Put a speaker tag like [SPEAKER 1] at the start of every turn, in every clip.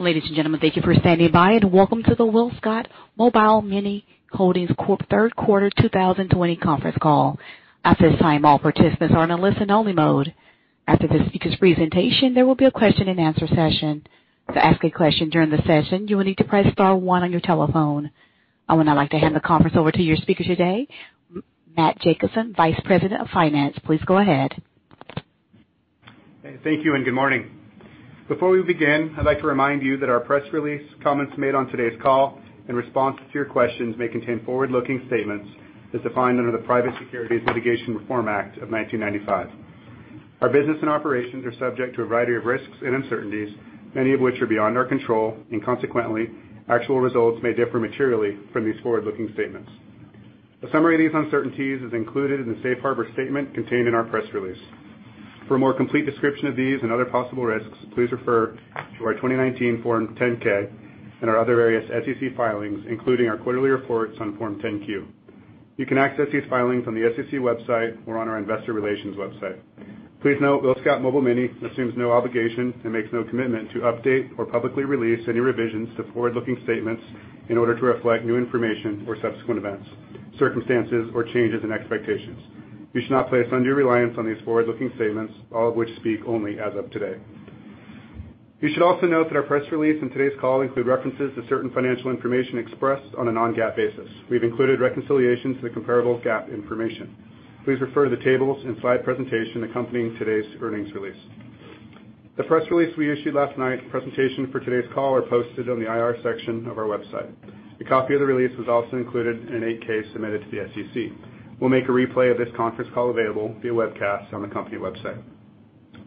[SPEAKER 1] Ladies and gentlemen, thank you for standing by and welcome to the WillScot Mobile Mini Holdings Corp. Third Quarter 2020 conference call. At this time, all participants are in a listen-only mode. After the speaker's presentation, there will be a question-and-answer session. To ask a question during the session, you will need to press star one on your telephone. I would now like to hand the conference over to your speaker today, Matt Jacobsen, Vice President of Finance. Please go ahead.
[SPEAKER 2] Thank you and good morning. Before we begin, I'd like to remind you that our press release, comments made on today's call, and responses to your questions may contain forward-looking statements as defined under the Private Securities Litigation Reform Act of 1995. Our business and operations are subject to a variety of risks and uncertainties, many of which are beyond our control, and consequently, actual results may differ materially from these forward-looking statements. A summary of these uncertainties is included in the safe harbor statement contained in our press release. For a more complete description of these and other possible risks, please refer to our 2019 Form 10-K and our other various SEC filings, including our quarterly reports on Form 10-Q. You can access these filings on the SEC website or on our investor relations website. Please note, WillScot Mobile Mini assumes no obligation and makes no commitment to update or publicly release any revisions to forward-looking statements in order to reflect new information or subsequent events, circumstances, or changes in expectations. You should not place undue reliance on these forward-looking statements, all of which speak only as of today. You should also note that our press release and today's call include references to certain financial information expressed on a non-GAAP basis. We've included reconciliations to the comparable GAAP information. Please refer to the tables and slide presentation accompanying today's earnings release. The press release we issued last night and the presentation for today's call are posted on the IR section of our website. A copy of the release was also included in an 8-K submitted to the SEC. We'll make a replay of this conference call available via webcast on the company website.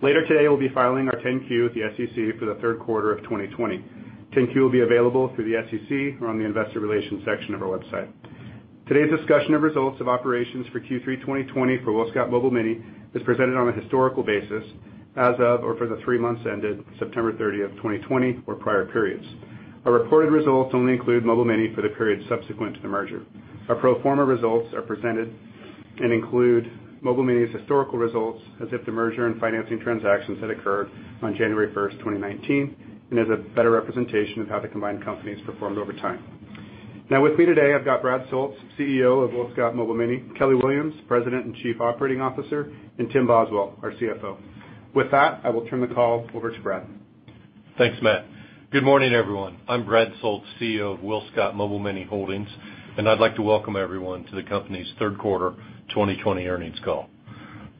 [SPEAKER 2] Later today, we'll be filing our 10-Q with the SEC for the third quarter of 2020. 10-Q will be available through the SEC or on the investor relations section of our website. Today's discussion of results of operations for Q3 2020 for WillScot Mobile Mini is presented on a historical basis as of or for the three months ended September 30th, 2020, or prior periods. Our reported results only include Mobile Mini for the period subsequent to the merger. Our pro forma results are presented and include Mobile Mini's historical results as if the merger and financing transactions had occurred on January 1st, 2019, and as a better representation of how the combined companies performed over time. Now, with me today, I've got Brad Soultz, CEO of WillScot Mobile Mini, Kelly Williams, President and Chief Operating Officer, and Tim Boswell, our CFO. With that, I will turn the call over to Brad.
[SPEAKER 3] Thanks, Matt. Good morning, everyone. I'm Brad Soultz, CEO of WillScot Mobile Mini Holdings, and I'd like to welcome everyone to the company's third quarter 2020 earnings call.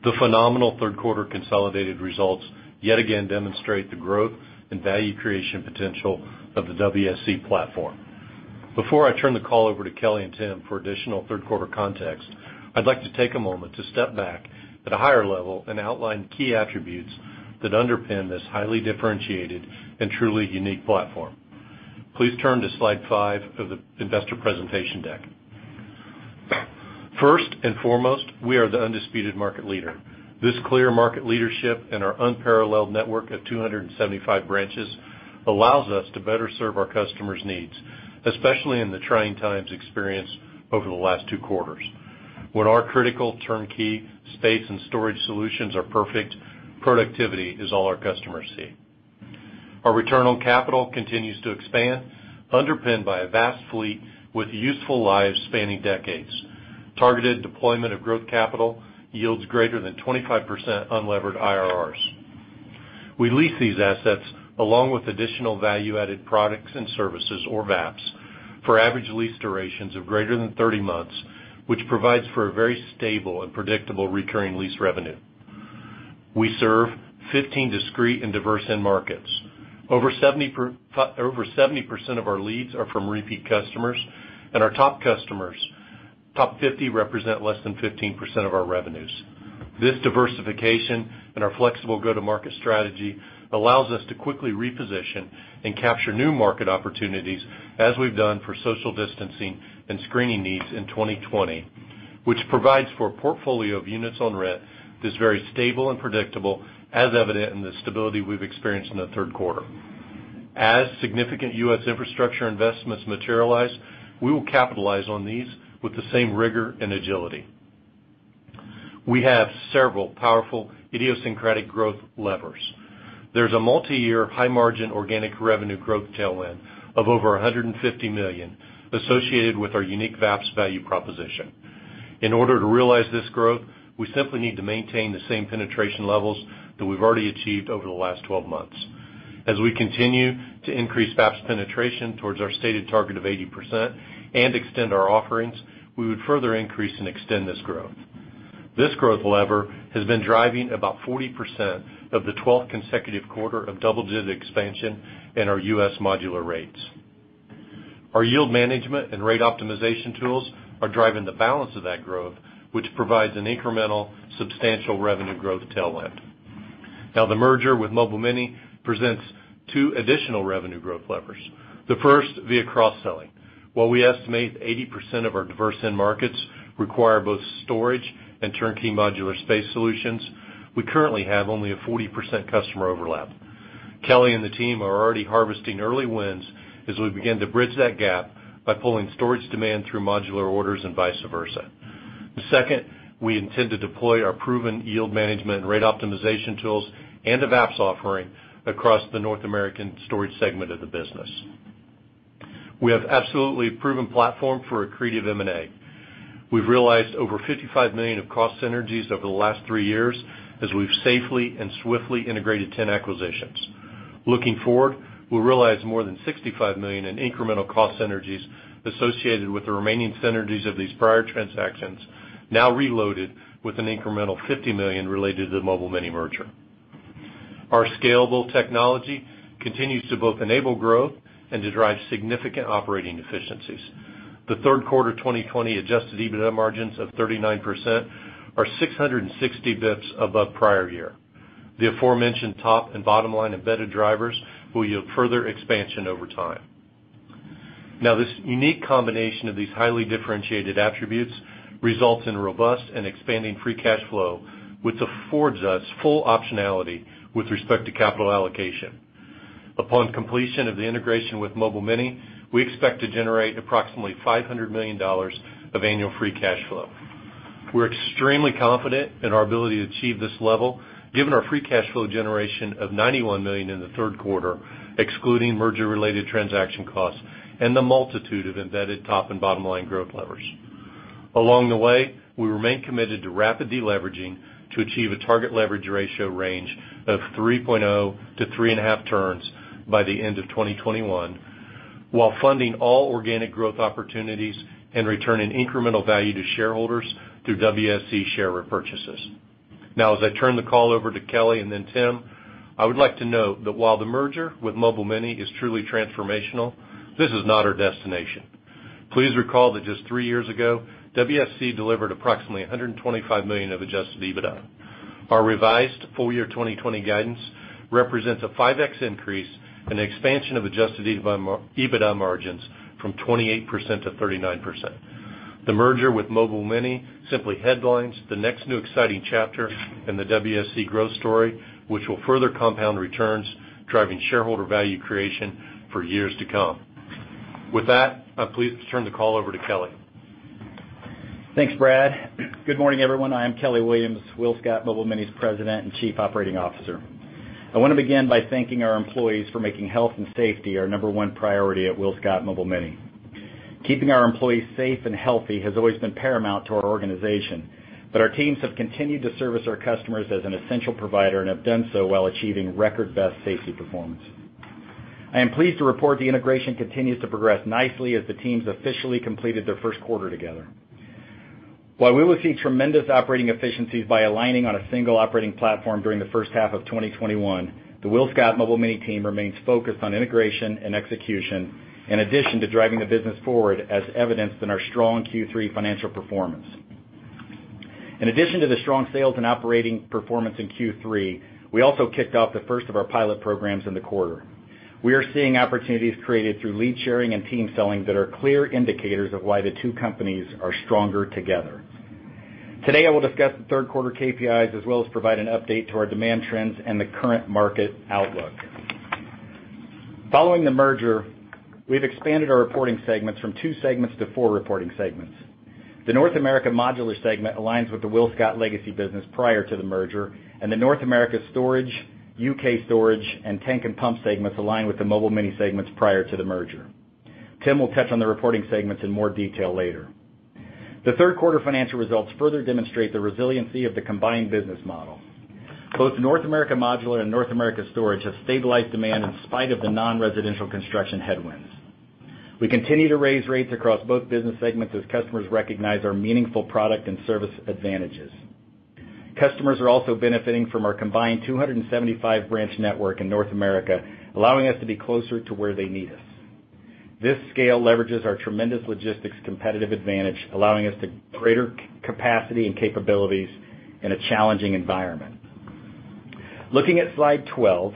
[SPEAKER 3] The phenomenal third quarter consolidated results yet again demonstrate the growth and value creation potential of the WSC platform. Before I turn the call over to Kelly and Tim for additional third quarter context, I'd like to take a moment to step back at a higher level and outline key attributes that underpin this highly differentiated and truly unique platform. Please turn to slide five of the investor presentation deck. First and foremost, we are the undisputed market leader. This clear market leadership and our unparalleled network of 275 branches allows us to better serve our customers' needs, especially in the trying times experienced over the last two quarters. When our critical turnkey space and storage solutions are perfect, productivity is all our customers seek. Our return on capital continues to expand, underpinned by a vast fleet with useful lives spanning decades. Targeted deployment of growth capital yields greater than 25% unlevered IRRs. We lease these assets along with additional value-added products and services, or VAPs, for average lease durations of greater than 30 months, which provides for a very stable and predictable recurring lease revenue. We serve 15 discrete and diverse end markets. Over 70% of our leads are from repeat customers, and our top 50 represent less than 15% of our revenues. This diversification and our flexible go-to-market strategy allows us to quickly reposition and capture new market opportunities, as we've done for social distancing and screening needs in 2020, which provides for a portfolio of units on rent that is very stable and predictable, as evident in the stability we've experienced in the third quarter. As significant U.S. infrastructure investments materialize, we will capitalize on these with the same rigor and agility. We have several powerful idiosyncratic growth levers. There's a multi-year high-margin organic revenue growth tailwind of over $150 million associated with our unique VAPs value proposition. In order to realize this growth, we simply need to maintain the same penetration levels that we've already achieved over the last 12 months. As we continue to increase VAPs penetration towards our stated target of 80% and extend our offerings, we would further increase and extend this growth. This growth lever has been driving about 40% of the 12th consecutive quarter of double-digit expansion in our U.S. modular rates. Our yield management and rate optimization tools are driving the balance of that growth, which provides an incremental substantial revenue growth tailwind. Now, the merger with Mobile Mini presents two additional revenue growth levers. The first via cross-selling. While we estimate 80% of our diverse end markets require both storage and turnkey modular space solutions, we currently have only a 40% customer overlap. Kelly and the team are already harvesting early wins as we begin to bridge that gap by pulling storage demand through modular orders and vice versa. The second, we intend to deploy our proven yield management and rate optimization tools and a VAPs offering across the North American storage segment of the business. We have absolutely proven platform for accretive M&A. We've realized over $55 million of cost synergies over the last three years as we've safely and swiftly integrated 10 acquisitions. Looking forward, we'll realize more than $65 million in incremental cost synergies associated with the remaining synergies of these prior transactions, now reloaded with an incremental $50 million related to the Mobile Mini merger. Our scalable technology continues to both enable growth and to drive significant operating efficiencies. The third quarter 2020 adjusted EBITDA margins of 39% are 660 bps above prior year. The aforementioned top and bottom line embedded drivers will yield further expansion over time. Now, this unique combination of these highly differentiated attributes results in robust and expanding free cash flow, which affords us full optionality with respect to capital allocation. Upon completion of the integration with Mobile Mini, we expect to generate approximately $500 million of annual free cash flow. We're extremely confident in our ability to achieve this level, given our Free Cash Flow generation of $91 million in the third quarter, excluding merger-related transaction costs and the multitude of embedded top and bottom line growth levers. Along the way, we remain committed to rapid deleveraging to achieve a target leverage ratio range of 3.0-3.5 turns by the end of 2021, while funding all organic growth opportunities and returning incremental value to shareholders through WSC share repurchases. Now, as I turn the call over to Kelly and then Tim, I would like to note that while the merger with Mobile Mini is truly transformational, this is not our destination. Please recall that just three years ago, WSC delivered approximately $125 million of Adjusted EBITDA. Our revised full year 2020 guidance represents a 5X increase in the expansion of Adjusted EBITDA margins from 28%-39%. The merger with Mobile Mini simply highlights the next new exciting chapter in the WSC growth story, which will further compound returns, driving shareholder value creation for years to come. With that, I'm pleased to turn the call over to Kelly.
[SPEAKER 4] Thanks, Brad. Good morning, everyone. I am Kelly Williams, WillScot Mobile Mini's President and Chief Operating Officer. I want to begin by thanking our employees for making health and safety our number one priority at WillScot Mobile Mini. Keeping our employees safe and healthy has always been paramount to our organization, but our teams have continued to service our customers as an essential provider and have done so while achieving record-best safety performance. I am pleased to report the integration continues to progress nicely as the teams officially completed their first quarter together. While we will see tremendous operating efficiencies by aligning on a single operating platform during the first half of 2021, the WillScot Mobile Mini team remains focused on integration and execution, in addition to driving the business forward, as evidenced in our strong Q3 financial performance. In addition to the strong sales and operating performance in Q3, we also kicked off the first of our pilot programs in the quarter. We are seeing opportunities created through lead sharing and team selling that are clear indicators of why the two companies are stronger together. Today, I will discuss the third quarter KPIs as well as provide an update to our demand trends and the current market outlook. Following the merger, we've expanded our reporting segments from two segments to four reporting segments. The North America modular segment aligns with the WillScot legacy business prior to the merger, and the North America storage, U.K. storage, and tank and pump segments align with the Mobile Mini segments prior to the merger. Tim will touch on the reporting segments in more detail later. The third quarter financial results further demonstrate the resiliency of the combined business model. Both North America modular and North America storage have stabilized demand in spite of the non-residential construction headwinds. We continue to raise rates across both business segments as customers recognize our meaningful product and service advantages. Customers are also benefiting from our combined 275 branch network in North America, allowing us to be closer to where they need us. This scale leverages our tremendous logistics competitive advantage, allowing us to greater capacity and capabilities in a challenging environment. Looking at slide 12,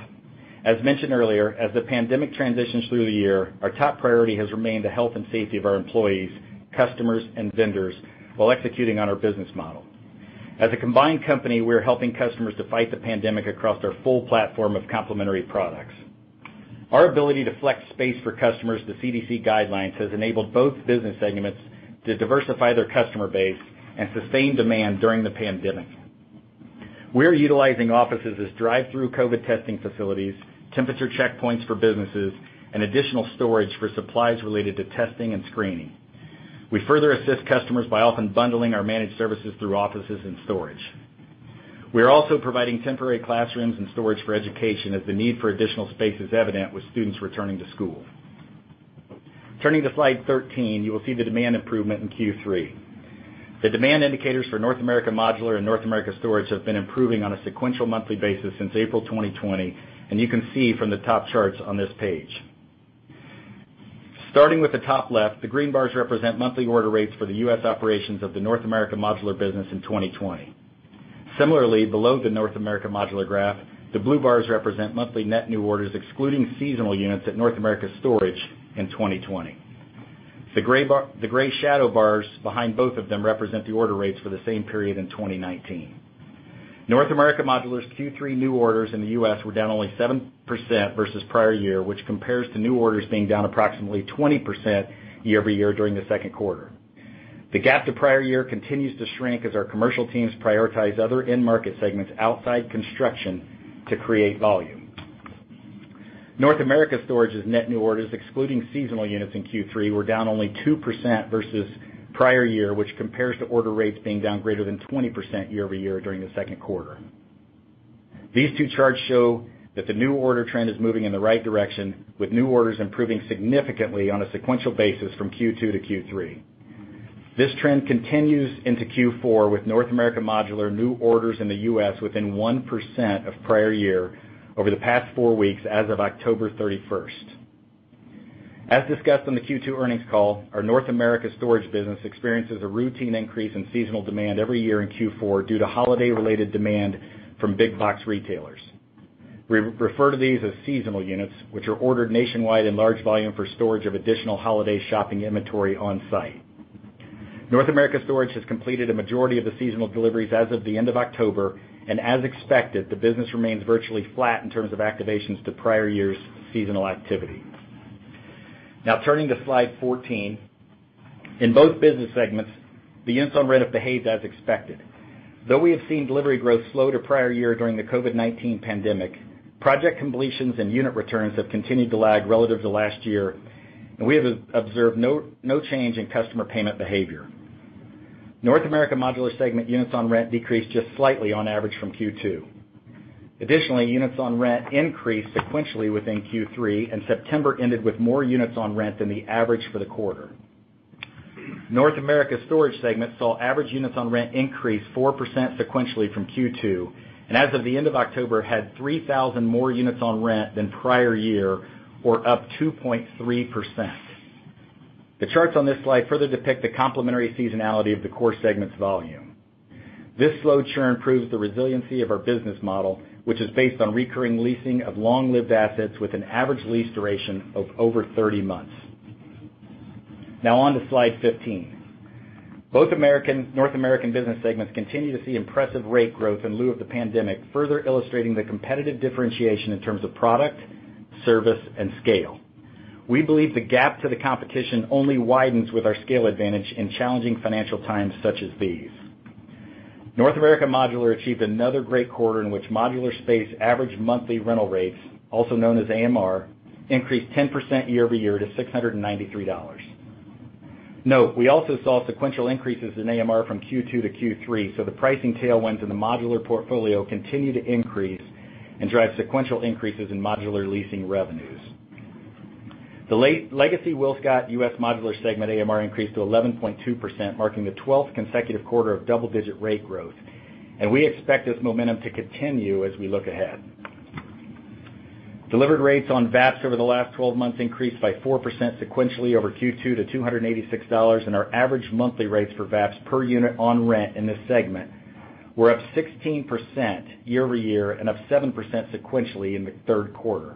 [SPEAKER 4] as mentioned earlier, as the pandemic transitions through the year, our top priority has remained the health and safety of our employees, customers, and vendors while executing on our business model. As a combined company, we are helping customers to fight the pandemic across our full platform of complementary products. Our ability to flex space for customers to CDC guidelines has enabled both business segments to diversify their customer base and sustain demand during the pandemic. We're utilizing offices as drive-through COVID testing facilities, temperature checkpoints for businesses, and additional storage for supplies related to testing and screening. We further assist customers by often bundling our managed services through offices and storage. We are also providing temporary classrooms and storage for education as the need for additional space is evident with students returning to school. Turning to slide 13, you will see the demand improvement in Q3. The demand indicators for North America modular and North America storage have been improving on a sequential monthly basis since April 2020, and you can see from the top charts on this page. Starting with the top left, the green bars represent monthly order rates for the U.S. operations of the North America modular business in 2020. Similarly, below the North America modular graph, the blue bars represent monthly net new orders excluding seasonal units at North America storage in 2020. The gray shadow bars behind both of them represent the order rates for the same period in 2019. North America modular's Q3 new orders in the U.S. were down only 7% versus prior year, which compares to new orders being down approximately 20% year-over-year during the second quarter. The gap to prior year continues to shrink as our commercial teams prioritize other end market segments outside construction to create volume. North America storage's net new orders excluding seasonal units in Q3 were down only 2% versus prior year, which compares to order rates being down greater than 20% year-over-year during the second quarter. These two charts show that the new order trend is moving in the right direction, with new orders improving significantly on a sequential basis from Q2 to Q3. This trend continues into Q4 with North America modular new orders in the U.S. within 1% of prior year over the past four weeks as of October 31st. As discussed on the Q2 earnings call, our North America storage business experiences a routine increase in seasonal demand every year in Q4 due to holiday-related demand from big box retailers. We refer to these as seasonal units, which are ordered nationwide in large volume for storage of additional holiday shopping inventory on-site. North America storage has completed a majority of the seasonal deliveries as of the end of October, and as expected, the business remains virtually flat in terms of activations to prior year's seasonal activity. Now, turning to slide 14, in both business segments, the units on rent have behaved as expected. Though we have seen delivery growth slow to prior year during the COVID-19 pandemic, project completions and unit returns have continued to lag relative to last year, and we have observed no change in customer payment behavior. North America modular segment units on rent decreased just slightly on average from Q2. Additionally, units on rent increased sequentially within Q3, and September ended with more units on rent than the average for the quarter. North America storage segment saw average units on rent increase 4% sequentially from Q2, and as of the end of October, had 3,000 more units on rent than prior year, or up 2.3%. The charts on this slide further depict the complementary seasonality of the core segment's volume. This slow churn proves the resiliency of our business model, which is based on recurring leasing of long-lived assets with an average lease duration of over 30 months. Now, on to slide 15. Both North American business segments continue to see impressive rate growth in light of the pandemic, further illustrating the competitive differentiation in terms of product, service, and scale. We believe the gap to the competition only widens with our scale advantage in challenging financial times such as these. North America modular achieved another great quarter in which modular space average monthly rental rates, also known as AMR, increased 10% year-over-year to $693. Note we also saw sequential increases in AMR from Q2 to Q3, so the pricing tailwinds in the modular portfolio continue to increase and drive sequential increases in modular leasing revenues. The legacy WillScot U.S. Modular segment AMR increased to 11.2%, marking the 12th consecutive quarter of double-digit rate growth, and we expect this momentum to continue as we look ahead. Delivered rates on VAPs over the last 12 months increased by 4% sequentially over Q2 to $286, and our average monthly rates for VAPs per unit on rent in this segment were up 16% year-over-year and up 7% sequentially in the third quarter.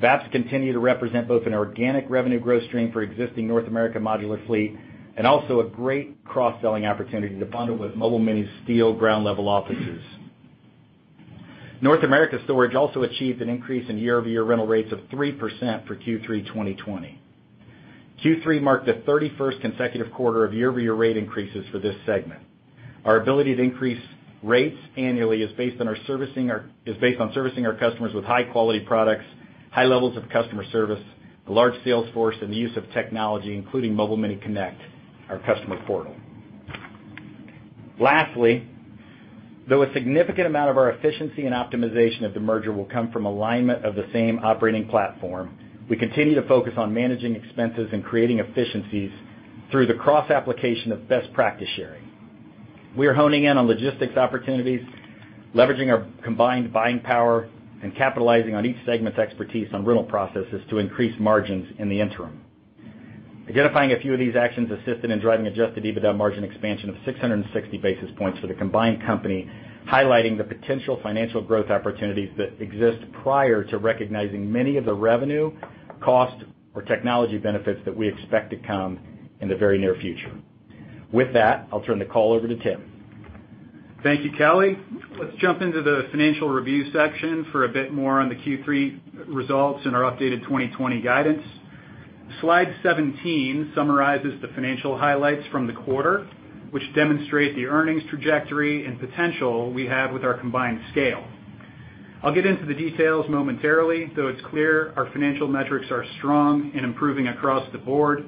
[SPEAKER 4] VAPs continue to represent both an organic revenue growth stream for existing North America modular fleet and also a great cross-selling opportunity to bundle with Mobile Mini's steel ground-level offices. North America storage also achieved an increase in year-over-year rental rates of 3% for Q3 2020. Q3 marked the 31st consecutive quarter of year-over-year rate increases for this segment. Our ability to increase rates annually is based on servicing our customers with high-quality products, high levels of customer service, a large sales force, and the use of technology, including Mobile Mini Connect, our customer portal. Lastly, though a significant amount of our efficiency and optimization of the merger will come from alignment of the same operating platform, we continue to focus on managing expenses and creating efficiencies through the cross-application of best practice sharing. We are honing in on logistics opportunities, leveraging our combined buying power, and capitalizing on each segment's expertise on rental processes to increase margins in the interim. Identifying a few of these actions assisted in driving Adjusted EBITDA margin expansion of 660 basis points for the combined company, highlighting the potential financial growth opportunities that exist prior to recognizing many of the revenue, cost, or technology benefits that we expect to come in the very near future. With that, I'll turn the call over to Tim.
[SPEAKER 5] Thank you, Kelly. Let's jump into the financial review section for a bit more on the Q3 results and our updated 2020 guidance. Slide 17 summarizes the financial highlights from the quarter, which demonstrate the earnings trajectory and potential we have with our combined scale. I'll get into the details momentarily, though it's clear our financial metrics are strong and improving across the board,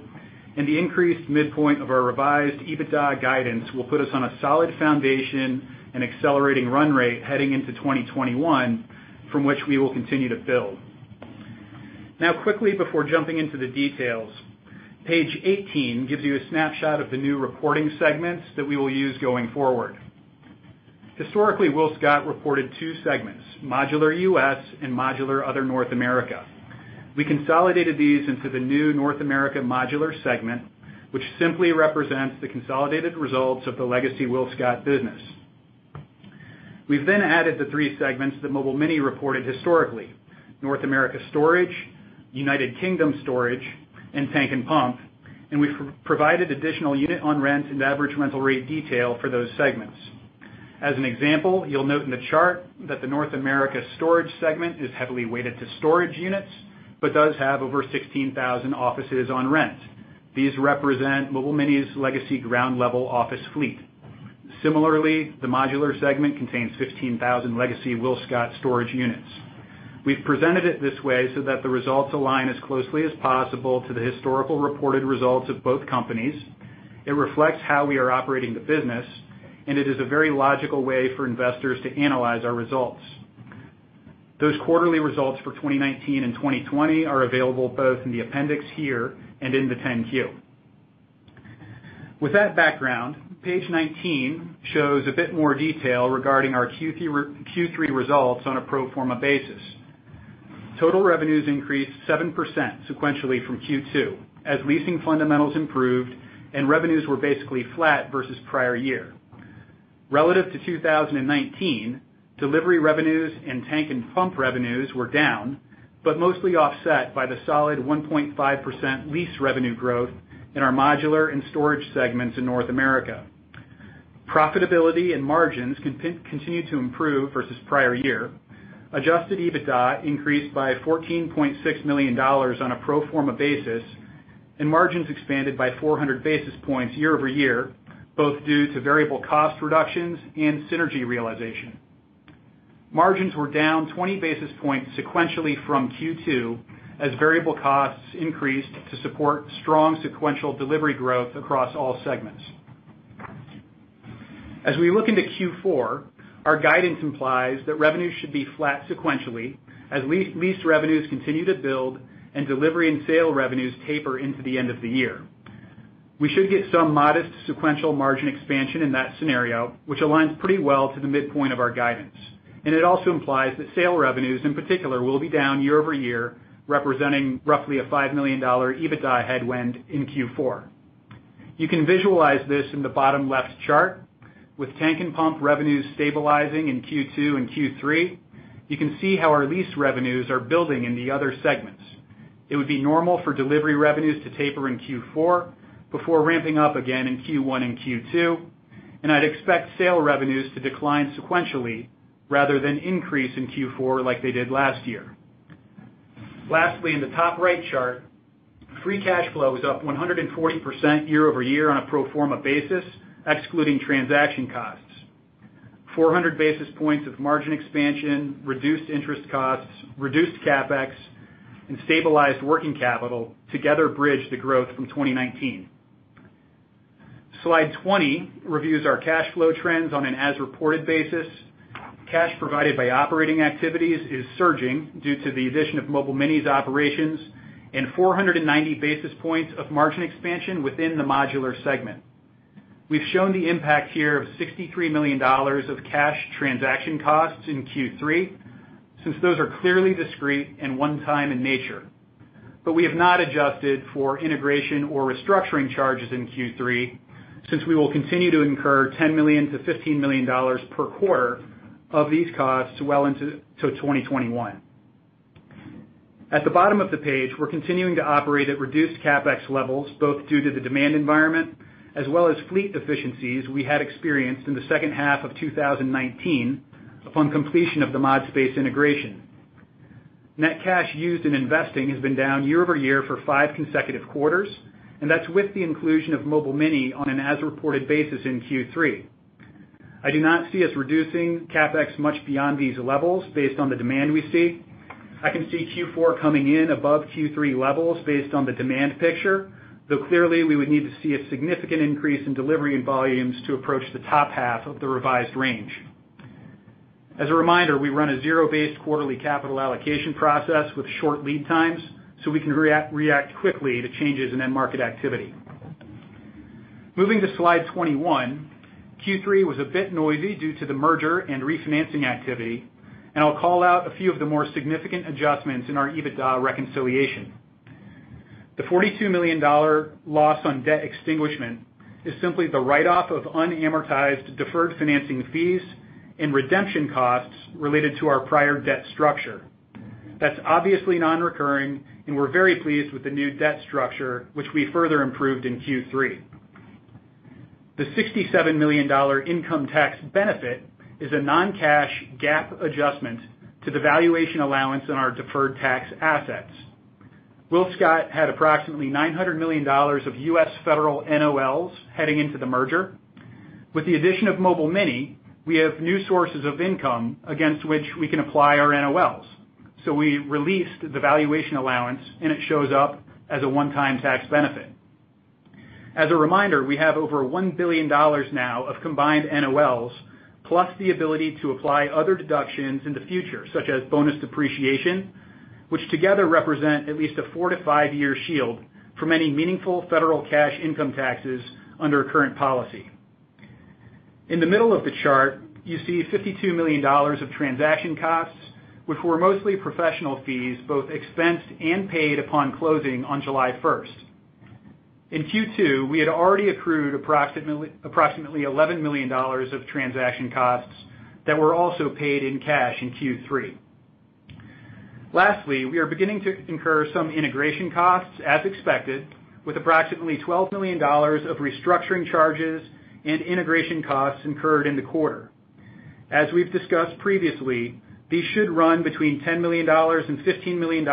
[SPEAKER 5] and the increased midpoint of our revised EBITDA guidance will put us on a solid foundation and accelerating run rate heading into 2021, from which we will continue to build. Now, quickly before jumping into the details, page 18 gives you a snapshot of the new reporting segments that we will use going forward. Historically, WillScot reported two segments: modular U.S. and modular other North America. We consolidated these into the new North America modular segment, which simply represents the consolidated results of the legacy WillScot business. We've then added the three segments that Mobile Mini reported historically: North America storage, United Kingdom storage, and tank and pump, and we've provided additional unit on rent and average rental rate detail for those segments. As an example, you'll note in the chart that the North America storage segment is heavily weighted to storage units but does have over 16,000 offices on rent. These represent Mobile Mini's legacy ground-level office fleet. Similarly, the modular segment contains 15,000 legacy WillScot storage units. We've presented it this way so that the results align as closely as possible to the historical reported results of both companies. It reflects how we are operating the business, and it is a very logical way for investors to analyze our results. Those quarterly results for 2019 and 2020 are available both in the appendix here and in the 10-Q. With that background, page 19 shows a bit more detail regarding our Q3 results on a pro forma basis. Total revenues increased 7% sequentially from Q2 as leasing fundamentals improved and revenues were basically flat versus prior year. Relative to 2019, delivery revenues and tank and pump revenues were down but mostly offset by the solid 1.5% lease revenue growth in our modular and storage segments in North America. Profitability and margins continue to improve versus prior year. Adjusted EBITDA increased by $14.6 million on a pro forma basis, and margins expanded by 400 basis points year-over-year, both due to variable cost reductions and synergy realization. Margins were down 20 basis points sequentially from Q2 as variable costs increased to support strong sequential delivery growth across all segments. As we look into Q4, our guidance implies that revenues should be flat sequentially as leased revenues continue to build and delivery and sale revenues taper into the end of the year. We should get some modest sequential margin expansion in that scenario, which aligns pretty well to the midpoint of our guidance, and it also implies that sale revenues, in particular, will be down year-over-year, representing roughly a $5 million EBITDA headwind in Q4. You can visualize this in the bottom-left chart. With tank and pump revenues stabilizing in Q2 and Q3, you can see how our lease revenues are building in the other segments. It would be normal for delivery revenues to taper in Q4 before ramping up again in Q1 and Q2, and I'd expect sale revenues to decline sequentially rather than increase in Q4 like they did last year. Lastly, in the top-right chart, free cash flow is up 140% year-over-year on a pro forma basis, excluding transaction costs. 400 basis points of margin expansion, reduced interest costs, reduced CapEx, and stabilized working capital together bridge the growth from 2019. Slide 20 reviews our cash flow trends on an as-reported basis. Cash provided by operating activities is surging due to the addition of Mobile Mini's operations and 490 basis points of margin expansion within the modular segment. We've shown the impact here of $63 million of cash transaction costs in Q3 since those are clearly discrete and one-time in nature, but we have not adjusted for integration or restructuring charges in Q3 since we will continue to incur $10 million-$15 million per quarter of these costs well into 2021. At the bottom of the page, we're continuing to operate at reduced CapEx levels, both due to the demand environment as well as fleet efficiencies we had experienced in the second half of 2019 upon completion of the ModSpace integration. Net cash used in investing has been down year-over-year for five consecutive quarters, and that's with the inclusion of Mobile Mini on an as-reported basis in Q3. I do not see us reducing CapEx much beyond these levels based on the demand we see. I can see Q4 coming in above Q3 levels based on the demand picture, though clearly we would need to see a significant increase in delivery and volumes to approach the top half of the revised range. As a reminder, we run a zero-based quarterly capital allocation process with short lead times so we can react quickly to changes in end-market activity. Moving to slide 21, Q3 was a bit noisy due to the merger and refinancing activity, and I'll call out a few of the more significant adjustments in our EBITDA reconciliation. The $42 million loss on debt extinguishment is simply the write-off of unamortized deferred financing fees and redemption costs related to our prior debt structure. That's obviously non-recurring, and we're very pleased with the new debt structure, which we further improved in Q3. The $67 million income tax benefit is a non-cash GAAP adjustment to the valuation allowance in our deferred tax assets. WillScot had approximately $900 million of U.S. federal NOLs heading into the merger. With the addition of Mobile Mini, we have new sources of income against which we can apply our NOLs, so we released the valuation allowance, and it shows up as a one-time tax benefit. As a reminder, we have over $1 billion now of combined NOLs plus the ability to apply other deductions in the future, such as bonus depreciation, which together represent at least a four-to-five-year shield for many meaningful federal cash income taxes under current policy. In the middle of the chart, you see $52 million of transaction costs, which were mostly professional fees both expensed and paid upon closing on July 1st. In Q2, we had already accrued approximately $11 million of transaction costs that were also paid in cash in Q3. Lastly, we are beginning to incur some integration costs, as expected, with approximately $12 million of restructuring charges and integration costs incurred in the quarter. As we've discussed previously, these should run between $10 million and $15 million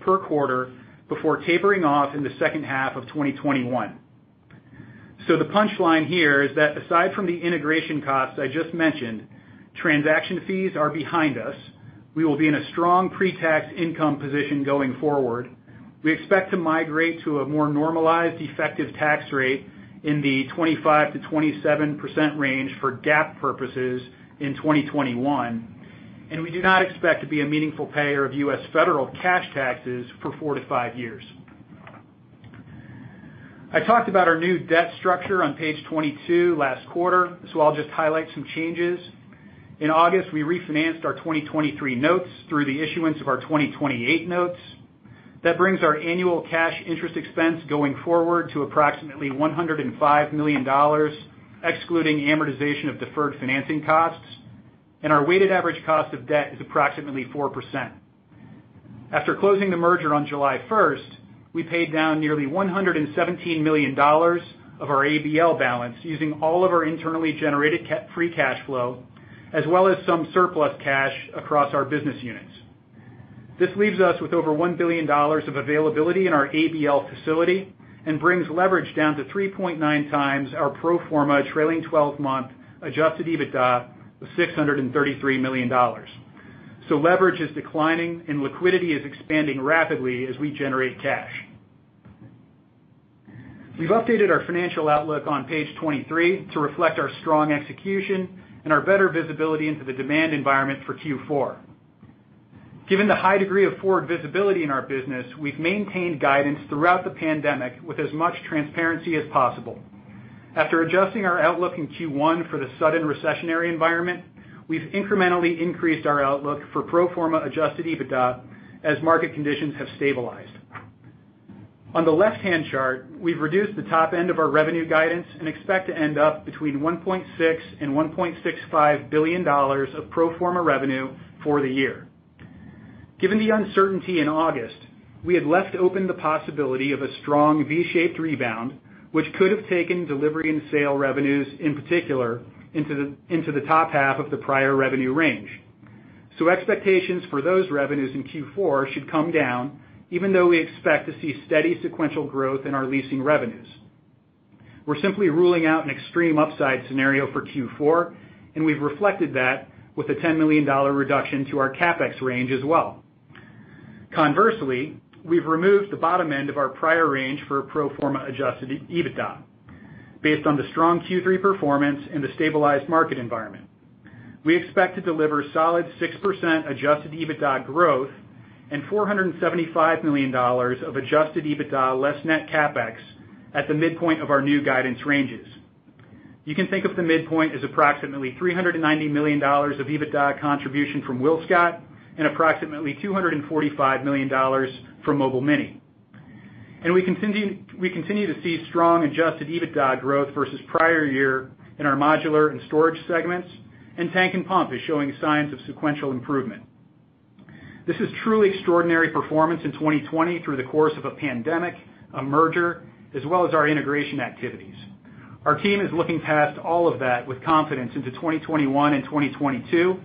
[SPEAKER 5] per quarter before tapering off in the second half of 2021. So the punchline here is that aside from the integration costs I just mentioned, transaction fees are behind us. We will be in a strong pre-tax income position going forward. We expect to migrate to a more normalized effective tax rate in the 25%-27% range for GAAP purposes in 2021, and we do not expect to be a meaningful payer of U.S. federal cash taxes for four to five years. I talked about our new debt structure on page 22 last quarter, so I'll just highlight some changes. In August, we refinanced our 2023 notes through the issuance of our 2028 notes. That brings our annual cash interest expense going forward to approximately $105 million, excluding amortization of deferred financing costs, and our weighted average cost of debt is approximately 4%. After closing the merger on July 1st, we paid down nearly $117 million of our ABL balance using all of our internally generated free cash flow, as well as some surplus cash across our business units. This leaves us with over $1 billion of availability in our ABL facility and brings leverage down to 3.9 times our pro forma trailing 12-month adjusted EBITDA of $633 million. So leverage is declining, and liquidity is expanding rapidly as we generate cash. We've updated our financial outlook on page 23 to reflect our strong execution and our better visibility into the demand environment for Q4. Given the high degree of forward visibility in our business, we've maintained guidance throughout the pandemic with as much transparency as possible. After adjusting our outlook in Q1 for the sudden recessionary environment, we've incrementally increased our outlook for pro forma adjusted EBITDA as market conditions have stabilized. On the left-hand chart, we've reduced the top end of our revenue guidance and expect to end up between $1.6-$1.65 billion of pro forma revenue for the year. Given the uncertainty in August, we had left open the possibility of a strong V-shaped rebound, which could have taken delivery and sale revenues, in particular, into the top half of the prior revenue range. So expectations for those revenues in Q4 should come down, even though we expect to see steady sequential growth in our leasing revenues. We're simply ruling out an extreme upside scenario for Q4, and we've reflected that with a $10 million reduction to our CapEx range as well. Conversely, we've removed the bottom end of our prior range for pro forma Adjusted EBITDA based on the strong Q3 performance and the stabilized market environment. We expect to deliver solid 6% Adjusted EBITDA growth and $475 million of Adjusted EBITDA less net CapEx at the midpoint of our new guidance ranges. You can think of the midpoint as approximately $390 million of EBITDA contribution from WillScot and approximately $245 million from Mobile Mini, and we continue to see strong Adjusted EBITDA growth versus prior year in our modular and storage segments, and tank and pump is showing signs of sequential improvement. This is truly extraordinary performance in 2020 through the course of a pandemic, a merger, as well as our integration activities. Our team is looking past all of that with confidence into 2021 and 2022,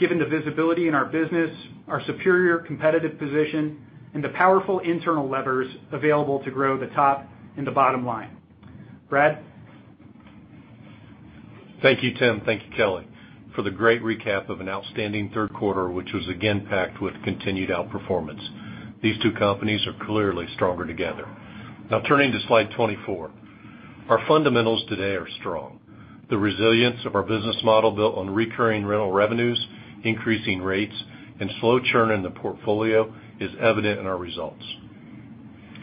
[SPEAKER 5] given the visibility in our business, our superior competitive position, and the powerful internal levers available to grow the top and the bottom line. Brad.
[SPEAKER 3] Thank you, Tim. Thank you, Kelly, for the great recap of an outstanding third quarter, which was again packed with continued outperformance. These two companies are clearly stronger together. Now, turning to slide 24, our fundamentals today are strong. The resilience of our business model built on recurring rental revenues, increasing rates, and slow churn in the portfolio is evident in our results.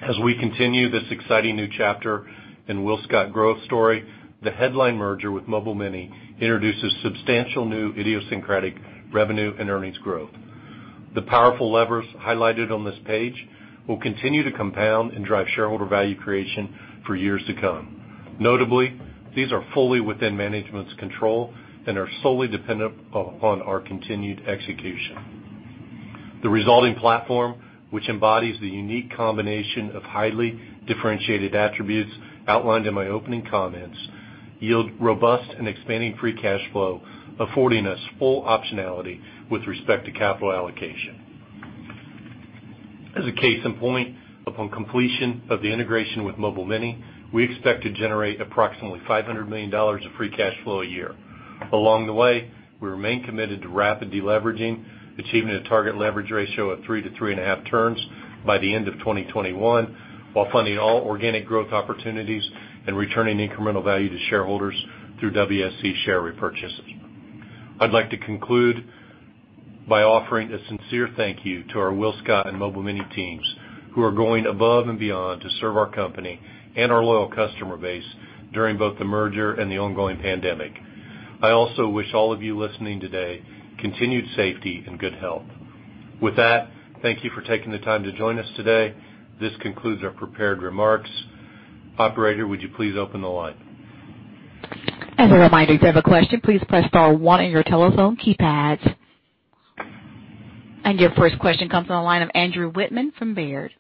[SPEAKER 3] As we continue this exciting new chapter in WillScot Growth story, the headline merger with Mobile Mini introduces substantial new idiosyncratic revenue and earnings growth. The powerful levers highlighted on this page will continue to compound and drive shareholder value creation for years to come. Notably, these are fully within management's control and are solely dependent upon our continued execution. The resulting platform, which embodies the unique combination of highly differentiated attributes outlined in my opening comments, yields robust and expanding free cash flow, affording us full optionality with respect to capital allocation. As a case in point, upon completion of the integration with Mobile Mini, we expect to generate approximately $500 million of free cash flow a year. Along the way, we remain committed to rapid deleveraging, achieving a target leverage ratio of three to three and a half turns by the end of 2021, while funding all organic growth opportunities and returning incremental value to shareholders through WSC share repurchases. I'd like to conclude by offering a sincere thank you to our WillScot and Mobile Mini teams who are going above and beyond to serve our company and our loyal customer base during both the merger and the ongoing pandemic. I also wish all of you listening today continued safety and good health. With that, thank you for taking the time to join us today. This concludes our prepared remarks. Operator, would you please open the line?
[SPEAKER 1] As a reminder, if you have a question, please press star one on your telephone keypad. And your first question comes on the line of Andrew Wittmann from Baird.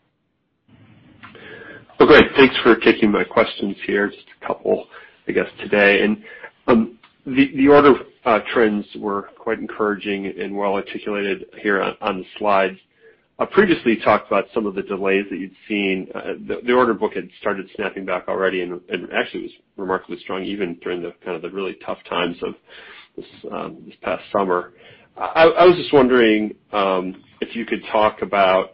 [SPEAKER 6] Oh, great. Thanks for taking my questions here. Just a couple, I guess, today. And the order of trends were quite encouraging and well-articulated here on the slides. I previously talked about some of the delays that you'd seen. The order book had started snapping back already and actually was remarkably strong even during the kind of the really tough times of this past summer. I was just wondering if you could talk about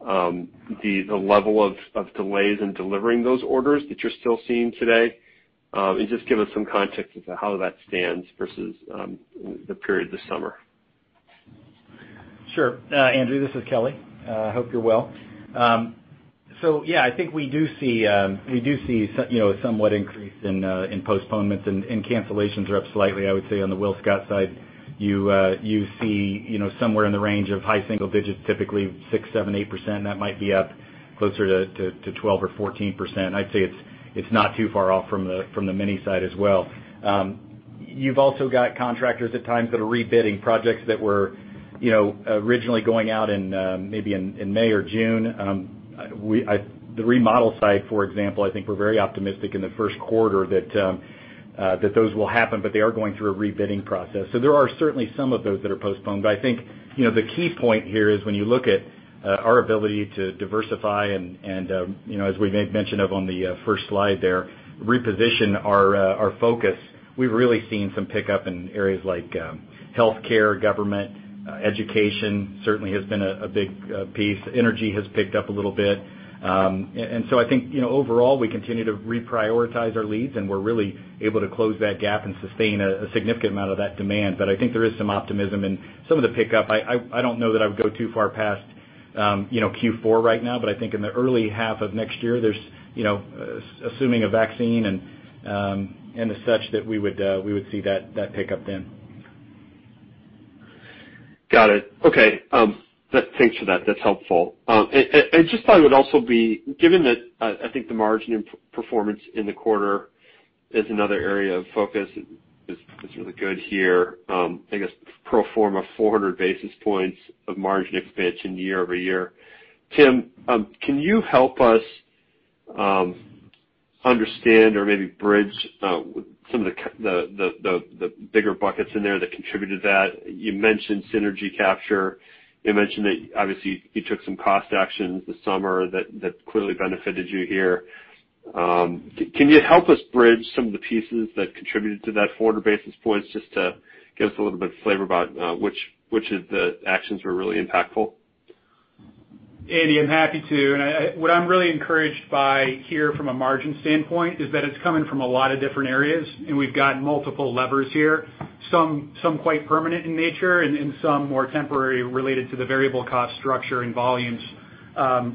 [SPEAKER 6] the level of delays in delivering those orders that you're still seeing today and just give us some context as to how that stands versus the period this summer?
[SPEAKER 4] Sure. Andrew, this is Kelly. I hope you're well. So yeah, I think we do see a somewhat increase in postponements and cancellations are up slightly, I would say, on the WillScot side. You see somewhere in the range of high single digits, typically 6%, 7%, 8%, and that might be up closer to 12% or 14%. I'd say it's not too far off from the Mini side as well. You've also got contractors at times that are rebidding projects that were originally going out in maybe May or June. The remodel side, for example, I think we're very optimistic in the first quarter that those will happen, but they are going through a rebidding process. So there are certainly some of those that are postponed. But I think the key point here is when you look at our ability to diversify and, as we may have mentioned on the first slide there, reposition our focus, we've really seen some pickup in areas like healthcare, government, education certainly has been a big piece. Energy has picked up a little bit, and so I think overall we continue to reprioritize our leads, and we're really able to close that gap and sustain a significant amount of that demand. But I think there is some optimism in some of the pickup. I don't know that I would go too far past Q4 right now, but I think in the early half of next year, assuming a vaccine and as such, that we would see that pickup then.
[SPEAKER 6] Got it. Okay. Thanks for that. That's helpful, and just thought it would also be, given that I think the margin performance in the quarter is another area of focus, it's really good here, I guess, pro forma 400 basis points of margin expansion year over year. Tim, can you help us understand or maybe bridge some of the bigger buckets in there that contributed to that? You mentioned synergy capture. You mentioned that obviously you took some cost actions this summer that clearly benefited you here. Can you help us bridge some of the pieces that contributed to that 400 basis points just to give us a little bit of flavor about which of the actions were really impactful?
[SPEAKER 4] Andy, I'm happy to. What I'm really encouraged by here from a margin standpoint is that it's coming from a lot of different areas, and we've got multiple levers here, some quite permanent in nature and some more temporary related to the variable cost structure and volumes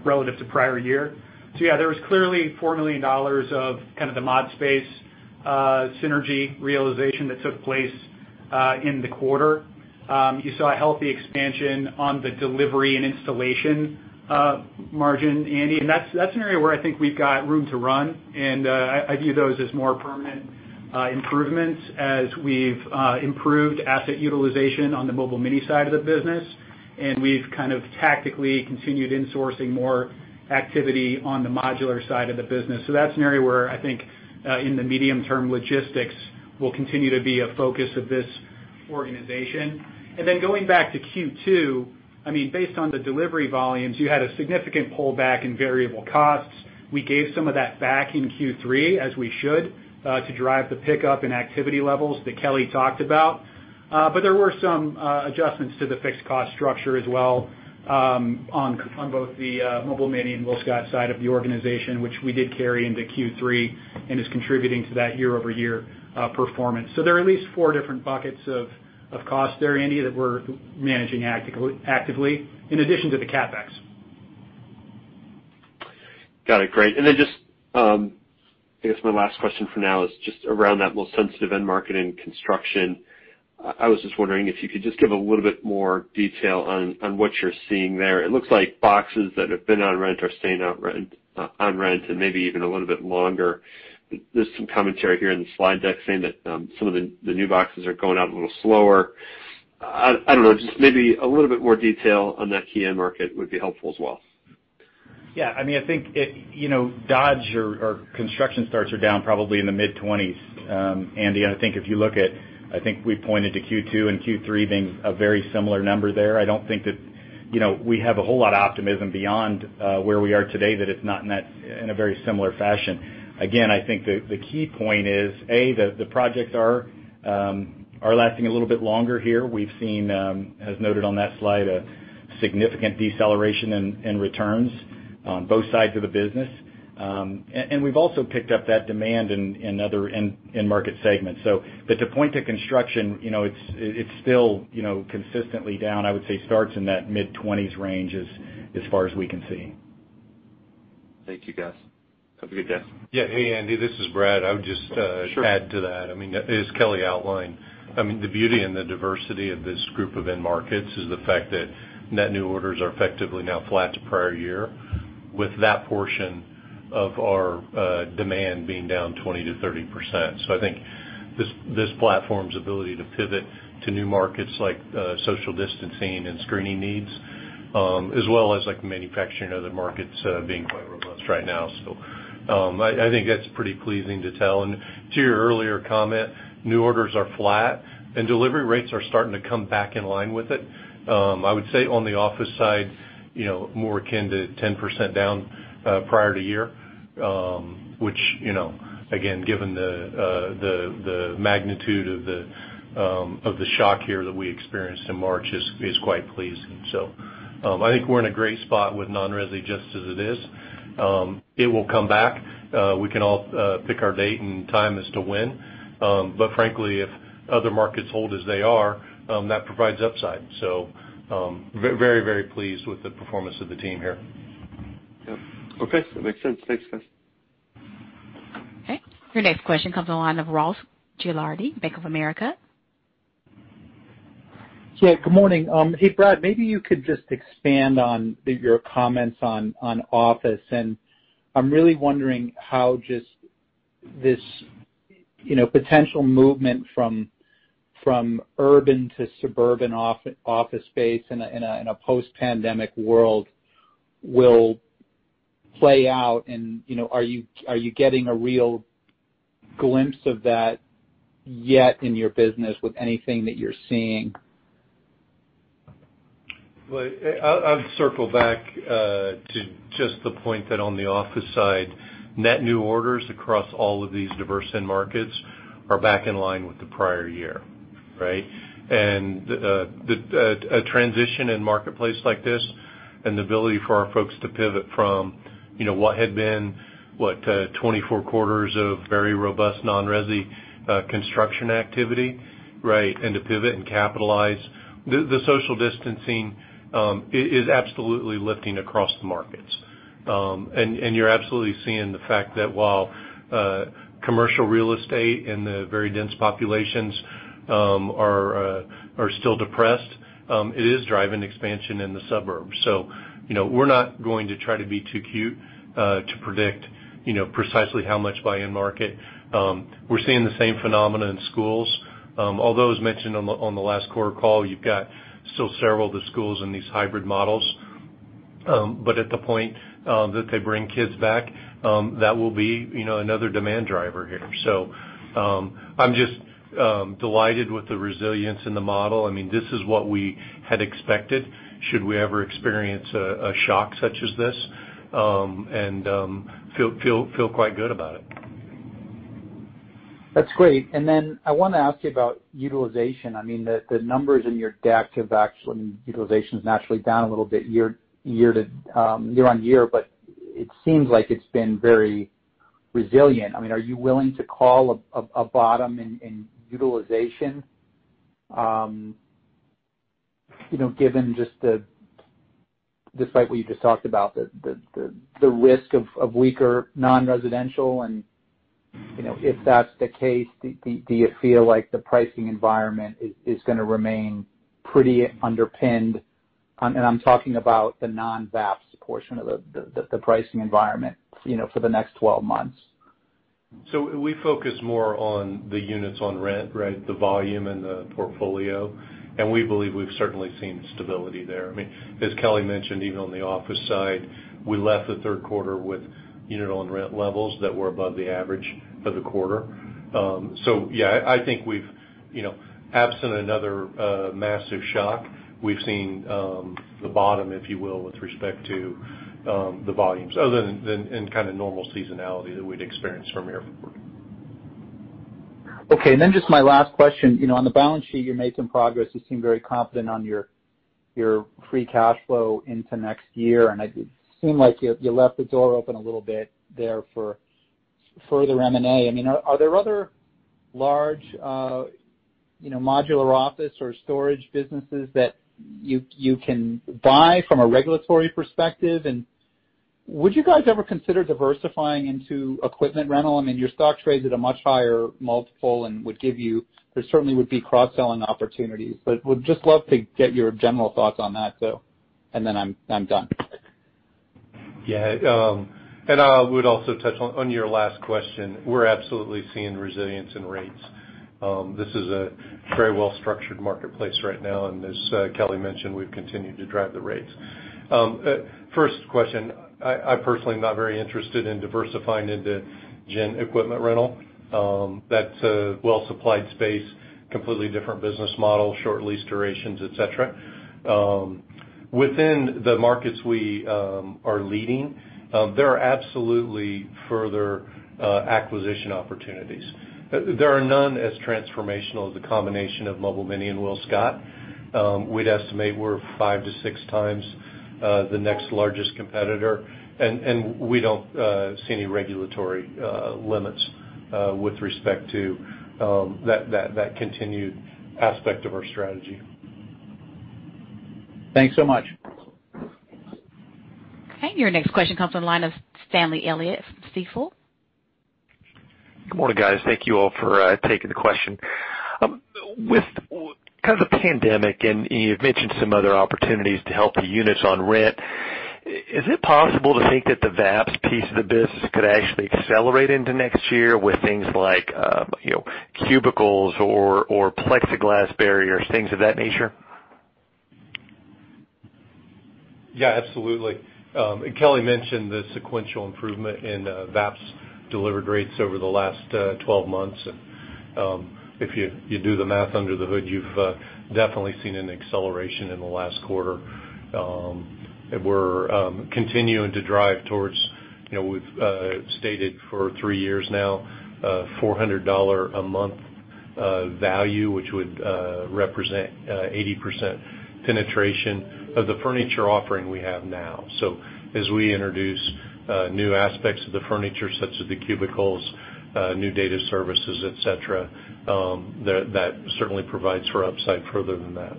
[SPEAKER 4] relative to prior year. So yeah, there was clearly $4 million of kind of the ModSpace synergy realization that took place in the quarter. You saw a healthy expansion on the Delivery and Installation margin, Andy. And that's an area where I think we've got room to run. And I view those as more permanent improvements as we've improved asset utilization on the Mobile Mini side of the business, and we've kind of tactically continued insourcing more activity on the modular side of the business. So that's an area where I think in the medium-term logistics will continue to be a focus of this organization. And then going back to Q2, I mean, based on the delivery volumes, you had a significant pullback in variable costs. We gave some of that back in Q3, as we should, to drive the pickup in activity levels that Kelly talked about. But there were some adjustments to the fixed cost structure as well on both the Mobile Mini and WillScot side of the organization, which we did carry into Q3 and is contributing to that year-over-year performance. So there are at least four different buckets of cost there, Andy, that we're managing actively, in addition to the CapEx.
[SPEAKER 6] Got it. Great. And then just, I guess, my last question for now is just around that most sensitive end market in construction. I was just wondering if you could just give a little bit more detail on what you're seeing there. It looks like boxes that have been on rent are staying on rent and maybe even a little bit longer. There's some commentary here in the slide deck saying that some of the new boxes are going out a little slower. I don't know. Just maybe a little bit more detail on that key end market would be helpful as well.
[SPEAKER 4] Yeah. I mean, I think Dodge or construction starts are down probably in the mid-20s. Andy, I think if you look at, I think we pointed to Q2 and Q3 being a very similar number there. I don't think that we have a whole lot of optimism beyond where we are today that it's not in a very similar fashion. Again, I think the key point is, A, that the projects are lasting a little bit longer here. We've seen, as noted on that slide, a significant deceleration in returns on both sides of the business. And we've also picked up that demand in other end market segments. But to point to construction, it's still consistently down. I would say starts in that mid-20s range as far as we can see.
[SPEAKER 6] Thank you, guys. Have a good day.
[SPEAKER 3] Yeah. Hey, Andy. This is Brad. I would just add to that. I mean, as Kelly outlined, I mean, the beauty and the diversity of this group of end markets is the fact that net new orders are effectively now flat to prior year, with that portion of our demand being down 20%-30%. So I think this platform's ability to pivot to new markets like social distancing and screening needs, as well as manufacturing other markets being quite robust right now, so I think that's pretty pleasing to tell, and to your earlier comment, new orders are flat, and delivery rates are starting to come back in line with it. I would say on the office side, more akin to 10% down prior year, which, again, given the magnitude of the shock here that we experienced in March, is quite pleasing, so I think we're in a great spot with non-resi just as it is. It will come back. We can all pick our date and time as to when. But frankly, if other markets hold as they are, that provides upside. So very, very pleased with the performance of the team here.
[SPEAKER 6] Yep. Okay. That makes sense. Thanks, guys.
[SPEAKER 1] Okay. Your next question comes on the line of Ross Gilardi, Bank of America. Yeah.
[SPEAKER 7] Good morning. Hey, Brad, maybe you could just expand on your comments on office. And I'm really wondering how just this potential movement from urban to suburban office space in a post-pandemic world will play out. And are you getting a real glimpse of that yet in your business with anything that you're seeing?
[SPEAKER 3] Well, I'll circle back to just the point that on the office side, net new orders across all of these diverse end markets are back in line with the prior year, right? And a transition in marketplace like this and the ability for our folks to pivot from what had been, what, 24 quarters of very robust non-residential construction activity, right, and to pivot and capitalize. The social distancing is absolutely lifting across the markets. And you're absolutely seeing the fact that while commercial real estate and the very dense populations are still depressed, it is driving expansion in the suburbs. So we're not going to try to be too cute to predict precisely how much by end market. We're seeing the same phenomena in schools. Although, as mentioned on the last quarter call, you've got still several of the schools in these hybrid models. But at the point that they bring kids back, that will be another demand driver here. So I'm just delighted with the resilience in the model. I mean, this is what we had expected.
[SPEAKER 5] Should we ever experience a shock such as this, and feel quite good about it.
[SPEAKER 7] That's great, and then I want to ask you about utilization. I mean, the numbers in your deck have actually been utilization is naturally down a little bit year-on-year, but it seems like it's been very resilient. I mean, are you willing to call a bottom in utilization given just the, despite what you just talked about, the risk of weaker non-residential, and if that's the case, do you feel like the pricing environment is going to remain pretty underpinned, and I'm talking about the non-VAPS portion of the pricing environment for the next 12 months.
[SPEAKER 3] So we focus more on the units on rent, right, the volume and the portfolio, and we believe we've certainly seen stability there. I mean, as Kelly mentioned, even on the office side, we left the third quarter with units on rent levels that were above the average for the quarter. So yeah, I think we've, absent another massive shock, we've seen the bottom, if you will, with respect to the volumes and kind of normal seasonality that we'd experience from here forward.
[SPEAKER 7] Okay. And then just my last question. On the balance sheet, you're making progress. You seem very confident on your free cash flow into next year. And it seemed like you left the door open a little bit there for further M&A. I mean, are there other large modular office or storage businesses that you can buy from a regulatory perspective? And would you guys ever consider diversifying into equipment rental? I mean, your stock trades at a much higher multiple and would give you there, certainly would be cross-selling opportunities. But we'd just love to get your general thoughts on that, though, and then I'm done.
[SPEAKER 3] Yeah, and I would also touch on your last question. We're absolutely seeing resilience in rates. This is a very well-structured marketplace right now. And as Kelly mentioned, we've continued to drive the rates. First question. I personally am not very interested in diversifying into general equipment rental. That's a well-supplied space, completely different business model, short lease durations, etc. Within the markets we are leading, there are absolutely further acquisition opportunities. There are none as transformational as the combination of Mobile Mini and WillScot. We'd estimate we're five to six times the next largest competitor, and we don't see any regulatory limits with respect to that continued aspect of our strategy.
[SPEAKER 7] Thanks so much.
[SPEAKER 1] Okay. Your next question comes on the line of Stanley Elliott from Stifel.
[SPEAKER 8] Good morning, guys. Thank you all for taking the question. With kind of the pandemic, and you've mentioned some other opportunities to help the units on rent, is it possible to think that the VAPS piece of the business could actually accelerate into next year with things like cubicles or plexiglass barriers, things of that nature?
[SPEAKER 3] Yeah, absolutely. And Kelly mentioned the sequential improvement in VAPS delivery rates over the last 12 months. And if you do the math under the hood, you've definitely seen an acceleration in the last quarter. We're continuing to drive towards, we've stated for three years now, $400 a month value, which would represent 80% penetration of the furniture offering we have now. So as we introduce new aspects of the furniture, such as the cubicles, new data services, etc., that certainly provides for upside further than that.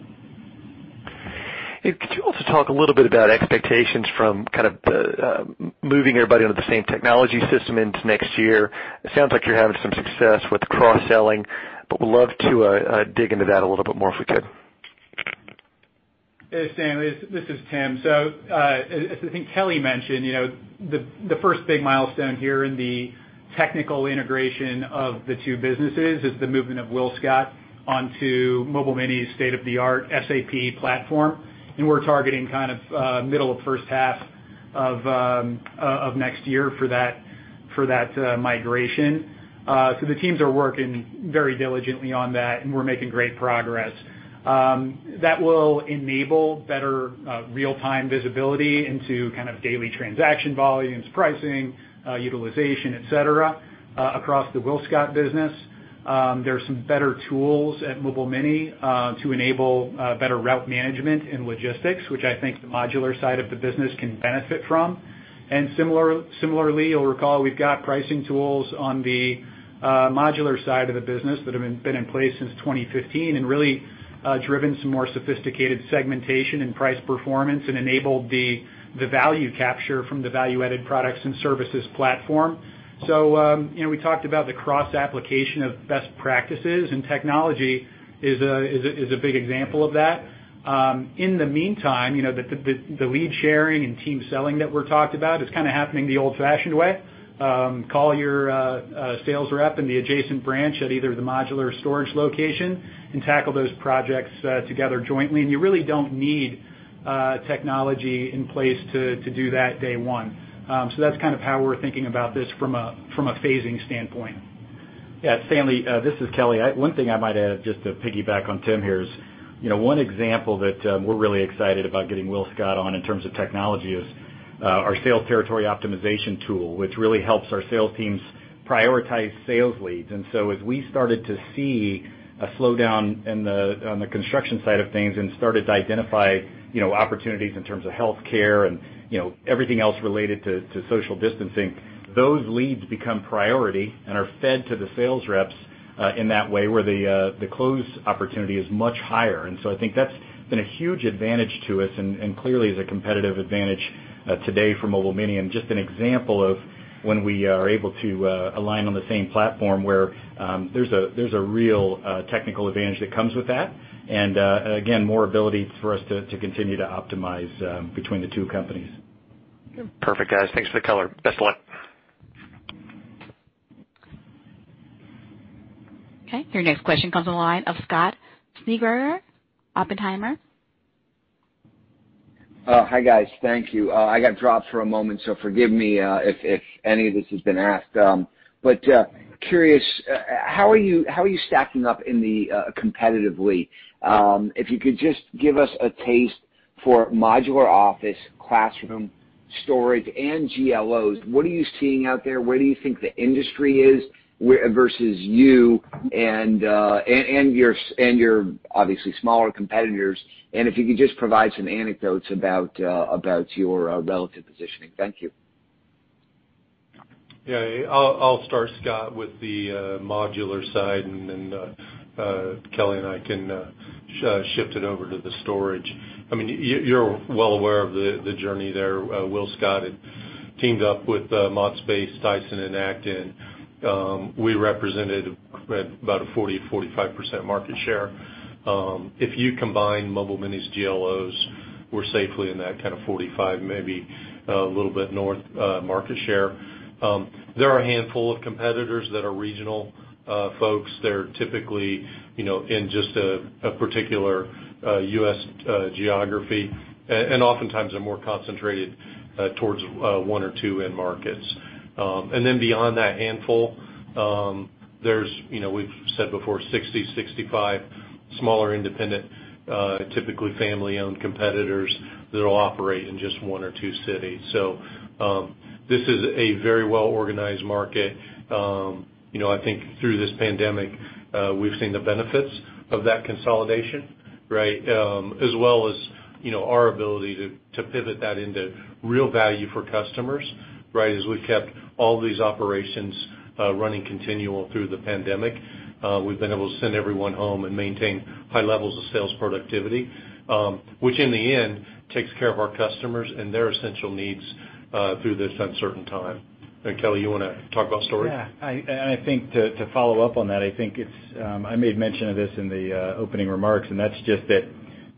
[SPEAKER 3] Could you also talk a little bit about expectations from kind of moving everybody into the same technology system into next year? It sounds like you're having some success with cross-selling, but we'd love to dig into that a little bit more if we could.
[SPEAKER 5] Hey, Stanley. This is Tim. So I think Kelly mentioned the first big milestone here in the technical integration of the two businesses is the movement of WillScot onto Mobile Mini's state-of-the-art SAP platform. And we're targeting kind of middle of first half of next year for that migration. So the teams are working very diligently on that, and we're making great progress. That will enable better real-time visibility into kind of daily transaction volumes, pricing, utilization, etc., across the WillScot business. There are some better tools at Mobile Mini to enable better route management and logistics, which I think the modular side of the business can benefit from. And similarly, you'll recall we've got pricing tools on the modular side of the business that have been in place since 2015 and really driven some more sophisticated segmentation and price performance and enabled the value capture from the value-added products and services platform. So we talked about the cross-application of best practices, and technology is a big example of that. In the meantime, the lead sharing and team selling that we're talking about is kind of happening the old-fashioned way. Call your sales rep in the adjacent branch at either the modular storage location and tackle those projects together jointly. You really don't need technology in place to do that day one. That's kind of how we're thinking about this from a phasing standpoint.
[SPEAKER 4] Yeah. Stanley, this is Kelly. One thing I might add just to piggyback on Tim here is one example that we're really excited about getting WillScot on in terms of technology is our sales territory optimization tool, which really helps our sales teams prioritize sales leads. And so as we started to see a slowdown on the construction side of things and started to identify opportunities in terms of healthcare and everything else related to social distancing, those leads become priority and are fed to the sales reps in that way where the close opportunity is much higher. And so I think that's been a huge advantage to us and clearly is a competitive advantage today for Mobile Mini. Just an example of when we are able to align on the same platform where there's a real technical advantage that comes with that. And again, more ability for us to continue to optimize between the two companies.
[SPEAKER 8] Perfect, guys. Thanks for the color. Best of luck.
[SPEAKER 1] Okay. Your next question comes on the line of Scott Schneeberger, Oppenheimer.
[SPEAKER 9] Hi, guys. Thank you. I got dropped for a moment, so forgive me if any of this has been asked. But curious, how are you stacking up in the competitive landscape? If you could just give us a taste for modular office, classroom, storage, and GLOs, what are you seeing out there? Where do you think the industry is versus you and your obviously smaller competitors? And if you could just provide some anecdotes about your relative positioning. Thank you. Yeah.
[SPEAKER 5] I'll start, Scott, with the modular side, and then Kelly and I can shift it over to the storage. I mean, you're well aware of the journey there. WillScot teamed up with ModSpace, Tyson, and Acton. We represented about a 40%-45% market share. If you combine Mobile Mini's GLOs, we're safely in that kind of 45%, maybe a little bit north market share. There are a handful of competitors that are regional folks. They're typically in just a particular U.S. geography and oftentimes are more concentrated towards one or two end markets. And then beyond that handful, there's, we've said before, 60-65 smaller independent, typically family-owned competitors that will operate in just one or two cities. So this is a very well-organized market. I think through this pandemic, we've seen the benefits of that consolidation, right, as well as our ability to pivot that into real value for customers, right, as we've kept all these operations running continual through the pandemic. We've been able to send everyone home and maintain high levels of sales productivity, which in the end takes care of our customers and their essential needs through this uncertain time. Kelly, you want to talk about storage?
[SPEAKER 4] Yeah. I think to follow up on that, I think I made mention of this in the opening remarks, and that's just that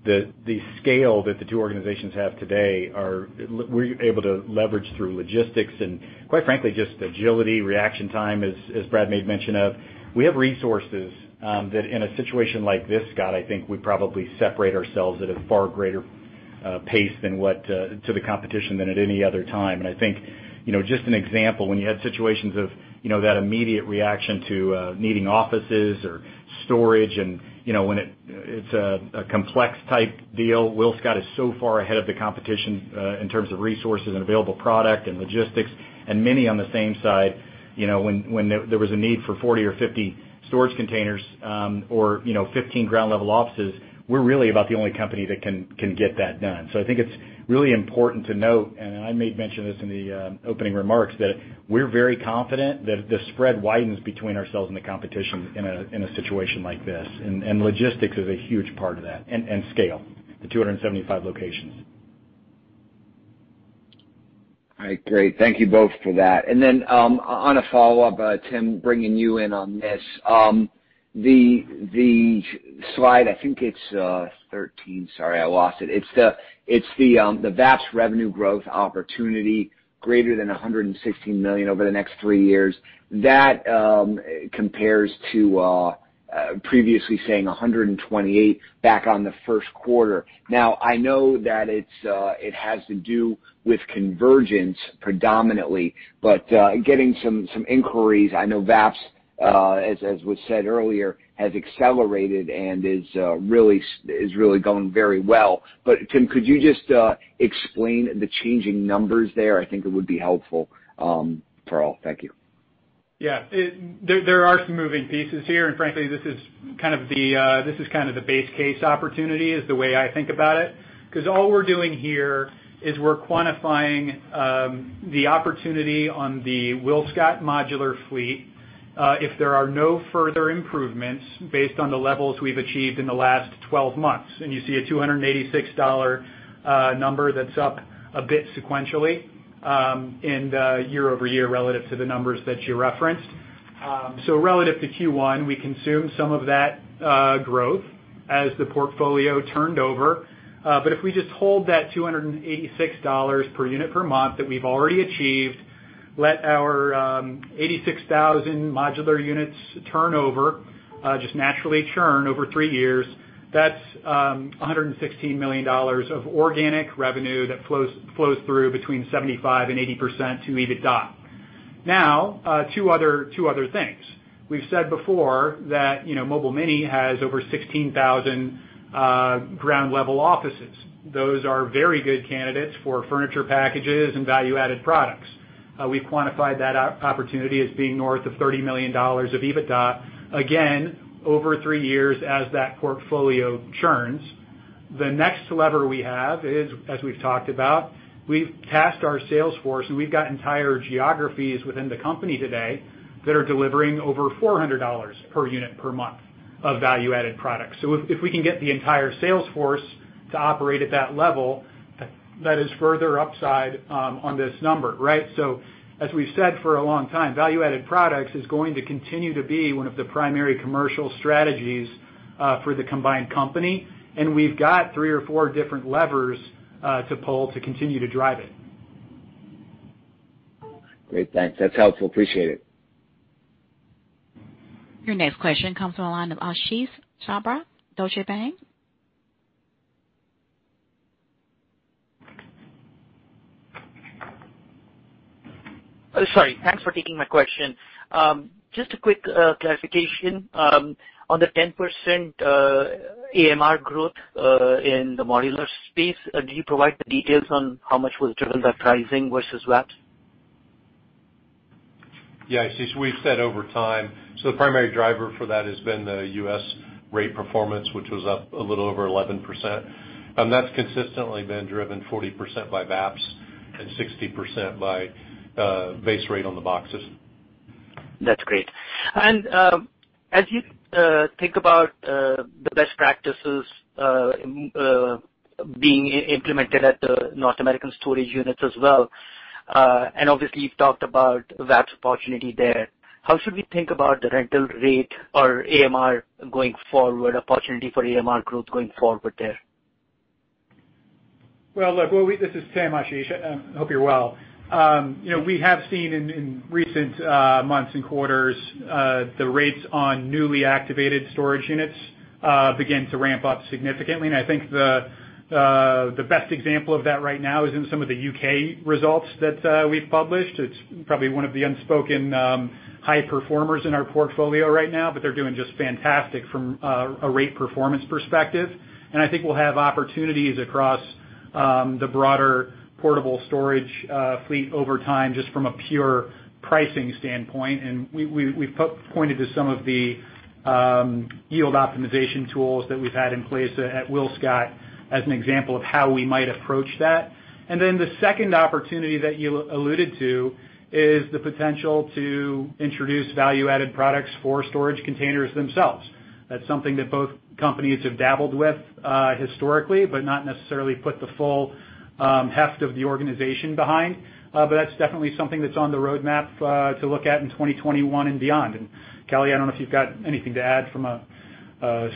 [SPEAKER 4] the scale that the two organizations have today are we're able to leverage through logistics and, quite frankly, just agility, reaction time, as Brad made mention of. We have resources that, in a situation like this, Scott, I think we probably separate ourselves at a far greater pace than the competition than at any other time, and I think just an example, when you had situations of that immediate reaction to needing offices or storage and when it's a complex type deal, WillScot is so far ahead of the competition in terms of resources and available product and logistics, and Mini on the same side, when there was a need for 40 or 50 storage containers or 15 ground-level offices, we're really about the only company that can get that done, so I think it's really important to note, and I made mention of this in the opening remarks, that we're very confident that the spread widens between ourselves and the competition in a situation like this. Logistics is a huge part of that and scale, the 275 locations.
[SPEAKER 9] All right. Great. Thank you both for that. Then on a follow-up, Tim, bringing you in on this, the slide, I think it's 13. Sorry, I lost it. It's the VAPs revenue growth opportunity greater than $116 million over the next three years. That compares to previously saying $128 million back on the first quarter. Now, I know that it has to do with convergence predominantly, but getting some inquiries, I know VAPs, as was said earlier, has accelerated and is really going very well. But Tim, could you just explain the changing numbers there? I think it would be helpful for all. Thank you.
[SPEAKER 5] Yeah. There are some moving pieces here. And frankly, this is kind of the base case opportunity is the way I think about it. Because all we're doing here is we're quantifying the opportunity on the WillScot modular fleet if there are no further improvements based on the levels we've achieved in the last 12 months. And you see a $286 number that's up a bit sequentially year over year relative to the numbers that you referenced. So relative to Q1, we consumed some of that growth as the portfolio turned over. But if we just hold that $286 per unit per month that we've already achieved, let our 86,000 modular units turnover just naturally churn over three years, that's $116 million of organic revenue that flows through between 75% and 80% to EBITDA. Now, two other things. We've said before that Mobile Mini has over 16,000 ground-level offices. Those are very good candidates for furniture packages and value-added products. We've quantified that opportunity as being north of $30 million of EBITDA. Again, over three years as that portfolio churns, the next lever we have is, as we've talked about, we've tasked our salesforce, and we've got entire geographies within the company today that are delivering over $400 per unit per month of value-added products. So if we can get the entire salesforce to operate at that level, that is further upside on this number, right? So as we've said for a long time, value-added products is going to continue to be one of the primary commercial strategies for the combined company. And we've got three or four different levers to pull to continue to drive it.
[SPEAKER 9] Great. Thanks. That's helpful. Appreciate it.
[SPEAKER 1] Your next question comes on the line of Ashish Sabadra, Deutsche Bank.
[SPEAKER 10] Sorry. Thanks for taking my question. Just a quick clarification on the 10% AMR growth in the modular space. Do you provide the details on how much was driven by pricing versus VAPS?
[SPEAKER 5] Yeah. As we've said over time, so the primary driver for that has been the U.S. rate performance, which was up a little over 11%. That's consistently been driven 40% by VAPS and 60% by base rate on the boxes.
[SPEAKER 10] That's great. And as you think about the best practices being implemented at the North American storage units as well, and obviously, you've talked about VAPS opportunity there, how should we think about the rental rate or AMR going forward, opportunity for AMR growth going forward there?
[SPEAKER 5] Well, this is Tim, Ashish. I hope you're well. We have seen in recent months and quarters the rates on newly activated storage units begin to ramp up significantly. And I think the best example of that right now is in some of the U.K. results that we've published. It's probably one of the unspoken high performers in our portfolio right now, but they're doing just fantastic from a rate performance perspective. And I think we'll have opportunities across the broader portable storage fleet over time just from a pure pricing standpoint. And we've pointed to some of the yield optimization tools that we've had in place at WillScot as an example of how we might approach that. And then the second opportunity that you alluded to is the potential to introduce value-added products for storage containers themselves. That's something that both companies have dabbled with historically, but not necessarily put the full heft of the organization behind. But that's definitely something that's on the roadmap to look at in 2021 and beyond. And Kelly, I don't know if you've got anything to add from a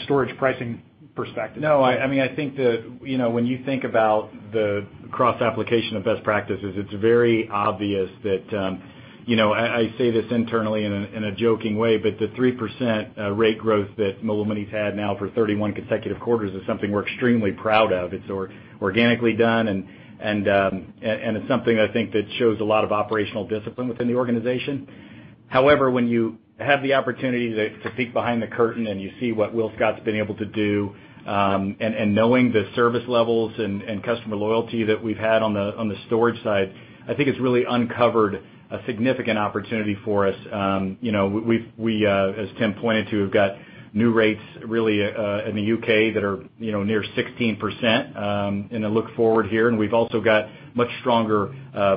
[SPEAKER 5] storage pricing perspective. No.
[SPEAKER 4] I mean, I think that when you think about the cross-application of best practices, it's very obvious that I say this internally in a joking way, but the 3% rate growth that Mobile Mini's had now for 31 consecutive quarters is something we're extremely proud of. It's organically done, and it's something I think that shows a lot of operational discipline within the organization. However, when you have the opportunity to peek behind the curtain and you see what WillScot's been able to do and knowing the service levels and customer loyalty that we've had on the storage side, I think it's really uncovered a significant opportunity for us. We, as Tim pointed to, have got new rates really in the U.K. that are near 16%, and I look forward here, and we've also got much stronger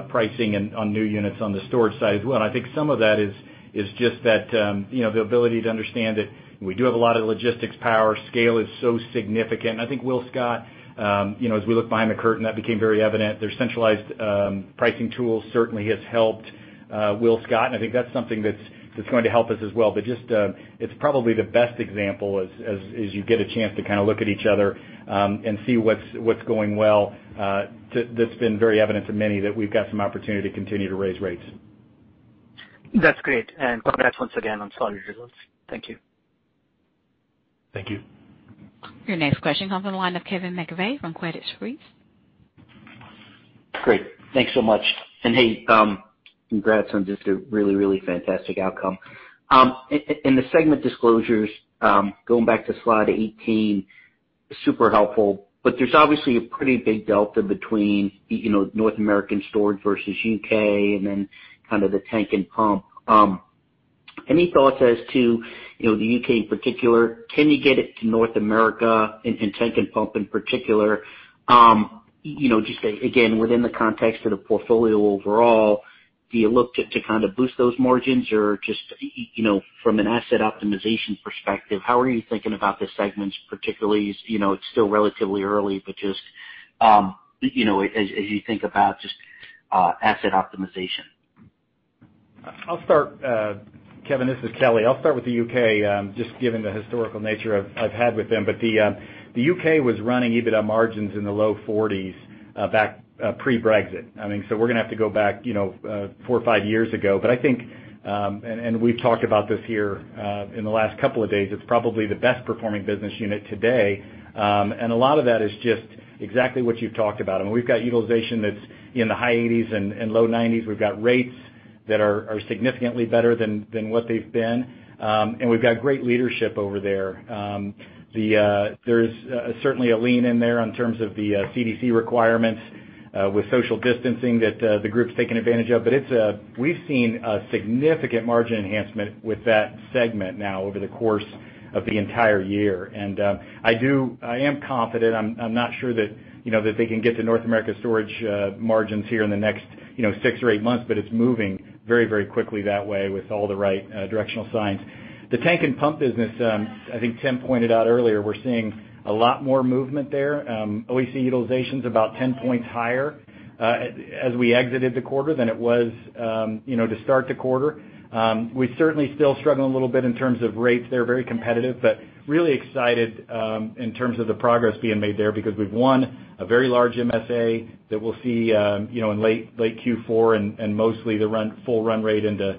[SPEAKER 4] pricing on new units on the storage side as well. I think some of that is just that the ability to understand that we do have a lot of logistics power. Scale is so significant. I think WillScot, as we look behind the curtain, that became very evident. Their centralized pricing tool certainly has helped WillScot. And I think that's something that's going to help us as well. But just it's probably the best example as you get a chance to kind of look at each other and see what's going well. That's been very evident to Mini that we've got some opportunity to continue to raise rates.
[SPEAKER 10] That's great. And congrats once again on solid results. Thank you.
[SPEAKER 4] Thank you.
[SPEAKER 1] Your next question comes on the line of Kevin McVeigh from Credit Suisse. Great.
[SPEAKER 11] Thanks so much. And hey, congrats on just a really, really fantastic outcome. In the segment disclosures, going back to slide 18, super helpful. But there's obviously a pretty big delta between North American storage versus U.K. and then kind of the tank and pump. Any thoughts as to the U.K. in particular? Can you get it to North America and tank and pump in particular? Just again, within the context of the portfolio overall, do you look to kind of boost those margins or just from an asset optimization perspective? How are you thinking about the segments, particularly? It's still relatively early, but just as you think about just asset optimization.
[SPEAKER 4] I'll start, Kevin. This is Kelly. I'll start with the U.K., just given the historical nature I've had with them. But the U.K. was running EBITDA margins in the low 40s% back pre-Brexit. I mean, so we're going to have to go back four or five years ago. But I think, and we've talked about this here in the last couple of days, it's probably the best performing business unit today. And a lot of that is just exactly what you've talked about. I mean, we've got utilization that's in the high 80s% and low 90s%. We've got rates that are significantly better than what they've been. And we've got great leadership over there. There's certainly a lean in there in terms of the CDC requirements with social distancing that the group's taken advantage of. But we've seen a significant margin enhancement with that segment now over the course of the entire year. And I am confident. I'm not sure that they can get to North America storage margins here in the next six or eight months, but it's moving very, very quickly that way with all the right directional signs. The tank and pump business, I think Tim pointed out earlier, we're seeing a lot more movement there. OEC utilization is about 10 points higher as we exited the quarter than it was to start the quarter. We certainly still struggle a little bit in terms of rates. They're very competitive, but really excited in terms of the progress being made there because we've won a very large MSA that we'll see in late Q4 and mostly the full run rate into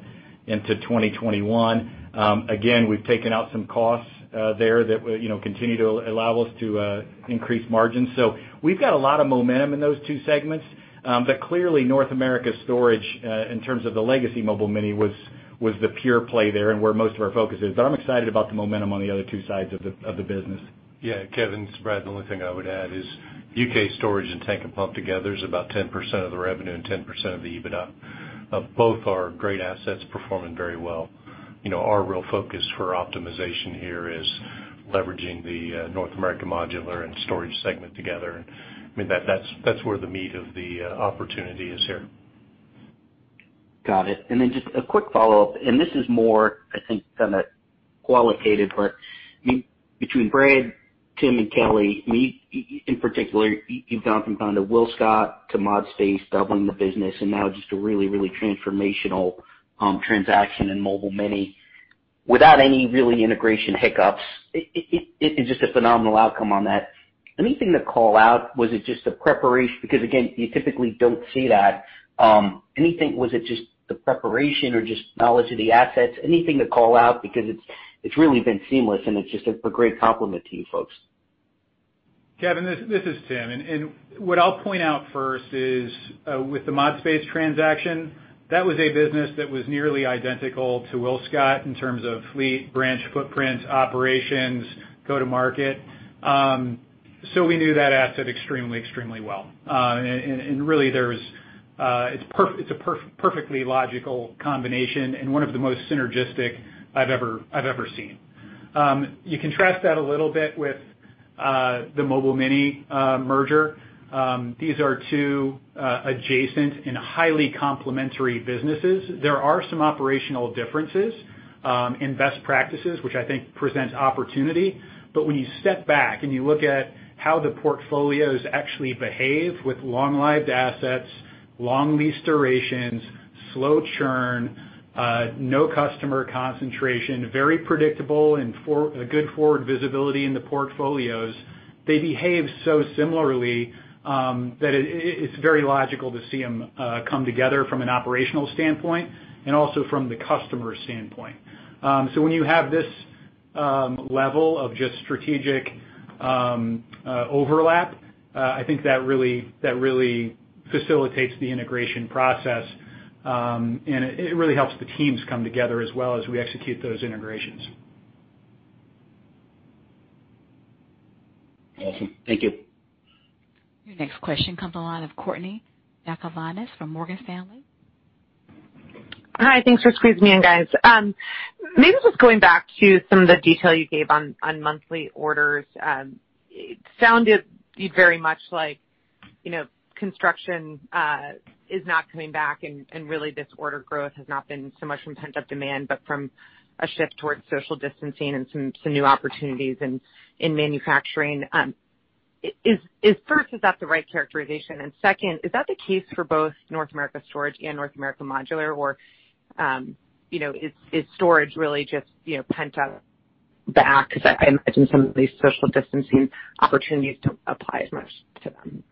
[SPEAKER 4] 2021. Again, we've taken out some costs there that continue to allow us to increase margins, so we've got a lot of momentum in those two segments, but clearly, North America storage in terms of the legacy Mobile Mini was the pure play there and where most of our focus is. But I'm excited about the momentum on the other two sides of the business.
[SPEAKER 3] Yeah. Kevin, it's Brad. The only thing I would add is U.K. storage and tank and pump together is about 10% of the revenue and 10% of the EBITDA. Both are great assets performing very well. Our real focus for optimization here is leveraging the North America modular and storage segment together. I mean, that's where the meat of the opportunity is here.
[SPEAKER 11] Got it. And then just a quick follow-up. And this is more, I think, kind of qualitative, but between Brad, Tim, and Kelly, me in particular, you've gone from kind of WillScot to ModSpace, doubling the business, and now just a really, really transformational transaction in Mobile Mini without any really integration hiccups. It's just a phenomenal outcome on that. Anything to call out? Was it just the preparation? Because again, you typically don't see that. Anything was it just the preparation or just knowledge of the assets? Anything to call out? Because it's really been seamless, and it's just a great complement to you folks.
[SPEAKER 5] Kevin, this is Tim. And what I'll point out first is with the ModSpace transaction, that was a business that was nearly identical to WillScot in terms of fleet, branch footprint, operations, go-to-market. So we knew that asset extremely, extremely well. And really, it's a perfectly logical combination and one of the most synergistic I've ever seen. You contrast that a little bit with the Mobile Mini merger. These are two adjacent and highly complementary businesses. There are some operational differences in best practices, which I think presents opportunity. But when you step back and you look at how the portfolios actually behave with long-lived assets, long lease durations, slow churn, no customer concentration, very predictable and good forward visibility in the portfolios, they behave so similarly that it's very logical to see them come together from an operational standpoint and also from the customer standpoint. So when you have this level of just strategic overlap, I think that really facilitates the integration process. And it really helps the teams come together as well as we execute those integrations.
[SPEAKER 11] Awesome. Thank you.
[SPEAKER 1] Your next question comes on the line of Courtney Yakavonis from Morgan Stanley.
[SPEAKER 12] Hi. Thanks for squeezing in, guys. Maybe just going back to some of the detail you gave on monthly orders, it sounded very much like construction is not coming back, and really this order growth has not been so much from pent-up demand, but from a shift towards social distancing and some new opportunities in manufacturing. First, is that the right characterization? And second, is that the case for both North America storage and North America modular, or is storage really just pent-up backlog because I imagine some of these social distancing opportunities don't apply as much to them.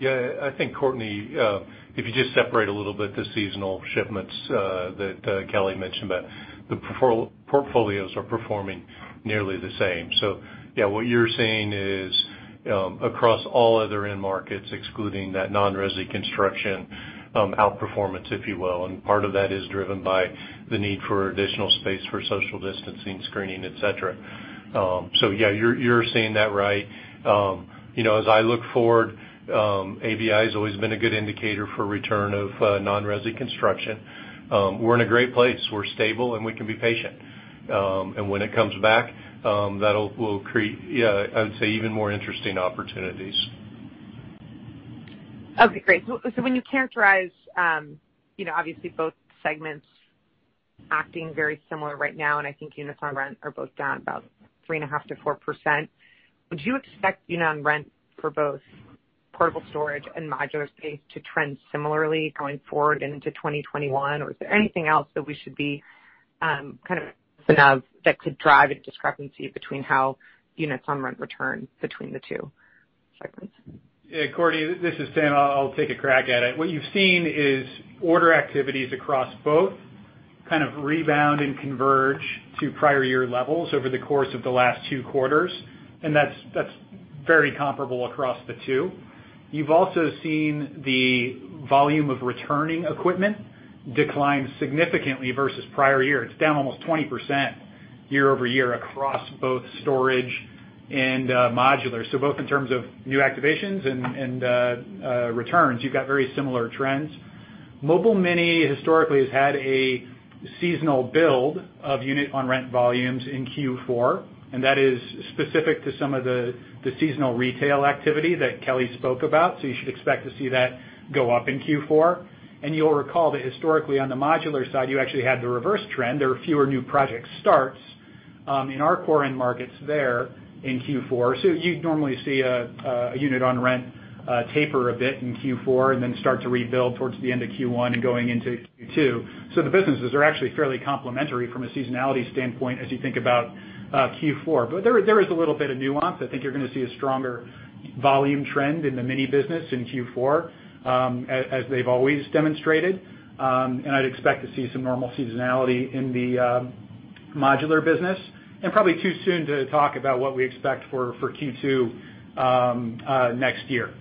[SPEAKER 3] Yeah. I think, Courtney, if you just separate a little bit the seasonal shipments that Kelly mentioned, but the portfolios are performing nearly the same. So yeah, what you're seeing is across all other end markets, excluding that non-resi construction, outperformance, if you will. And part of that is driven by the need for additional space for social distancing, screening, etc. So yeah, you're saying that right. As I look forward, ABI has always been a good indicator for return of non-resi construction. We're in a great place. We're stable, and we can be patient. And when it comes back, that will create, I would say, even more interesting opportunities.
[SPEAKER 12] Okay. Great. So when you characterize, obviously, both segments acting very similar right now, and I think units on rent are both down about 3.5%-4%, would you expect unit on rent for both portable storage and modular space to trend similarly going forward into 2021? Or is there anything else that we should be kind of that could drive a discrepancy between how units on rent return between the two segments?
[SPEAKER 5] Yeah. Courtney, this is Tim. I'll take a crack at it. What you've seen is order activities across both kind of rebound and converge to prior year levels over the course of the last two quarters, and that's very comparable across the two. You've also seen the volume of returning equipment decline significantly versus prior year. It's down almost 20% year over year across both storage and modular, so both in terms of new activations and returns, you've got very similar trends. Mobile Mini historically has had a seasonal build of unit on rent volumes in Q4, and that is specific to some of the seasonal retail activity that Kelly spoke about, so you should expect to see that go up in Q4, and you'll recall that historically on the modular side, you actually had the reverse trend. There are fewer new project starts in our core end markets there in Q4. So you'd normally see a unit on rent taper a bit in Q4 and then start to rebuild towards the end of Q1 and going into Q2. So the businesses are actually fairly complementary from a seasonality standpoint as you think about Q4. But there is a little bit of nuance. I think you're going to see a stronger volume trend in the mini business in Q4, as they've always demonstrated. And I'd expect to see some normal seasonality in the modular business. And probably too soon to talk about what we expect for Q2 next year.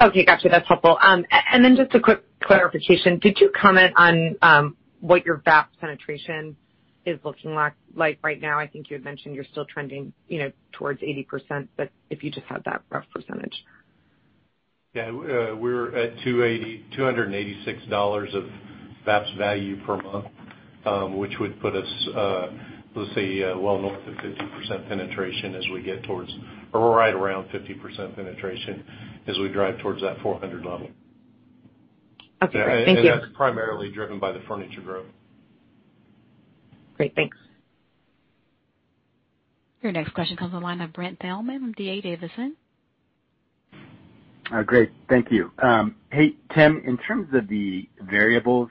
[SPEAKER 12] Okay. Gotcha. That's helpful. And then just a quick clarification. Did you comment on what your VAP penetration is looking like right now? I think you had mentioned you're still trending towards 80%, but if you just had that rough percentage.
[SPEAKER 4] Yeah. We're at $286 of VAPS value per month, which would put us, let's say, well north of 50% penetration as we get towards or right around 50% penetration as we drive towards that 400 level. Okay. Thank you. And that's primarily driven by the furniture growth.
[SPEAKER 12] Great. Thanks.
[SPEAKER 1] Your next question comes on the line of Brent Thielman from D.A. Davidson.
[SPEAKER 4] Great. Thank you. Hey, Tim, in terms of the variables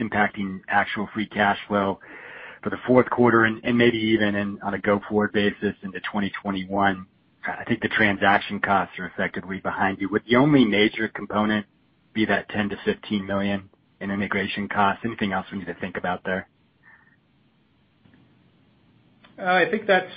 [SPEAKER 4] impacting actual free cash flow for the fourth quarter and maybe even on a go-forward basis into 2021, I think the transaction costs are effectively behind you. Would the only major component be that $10 million-$15 million in integration costs? Anything else we need to think about there?
[SPEAKER 5] I think that's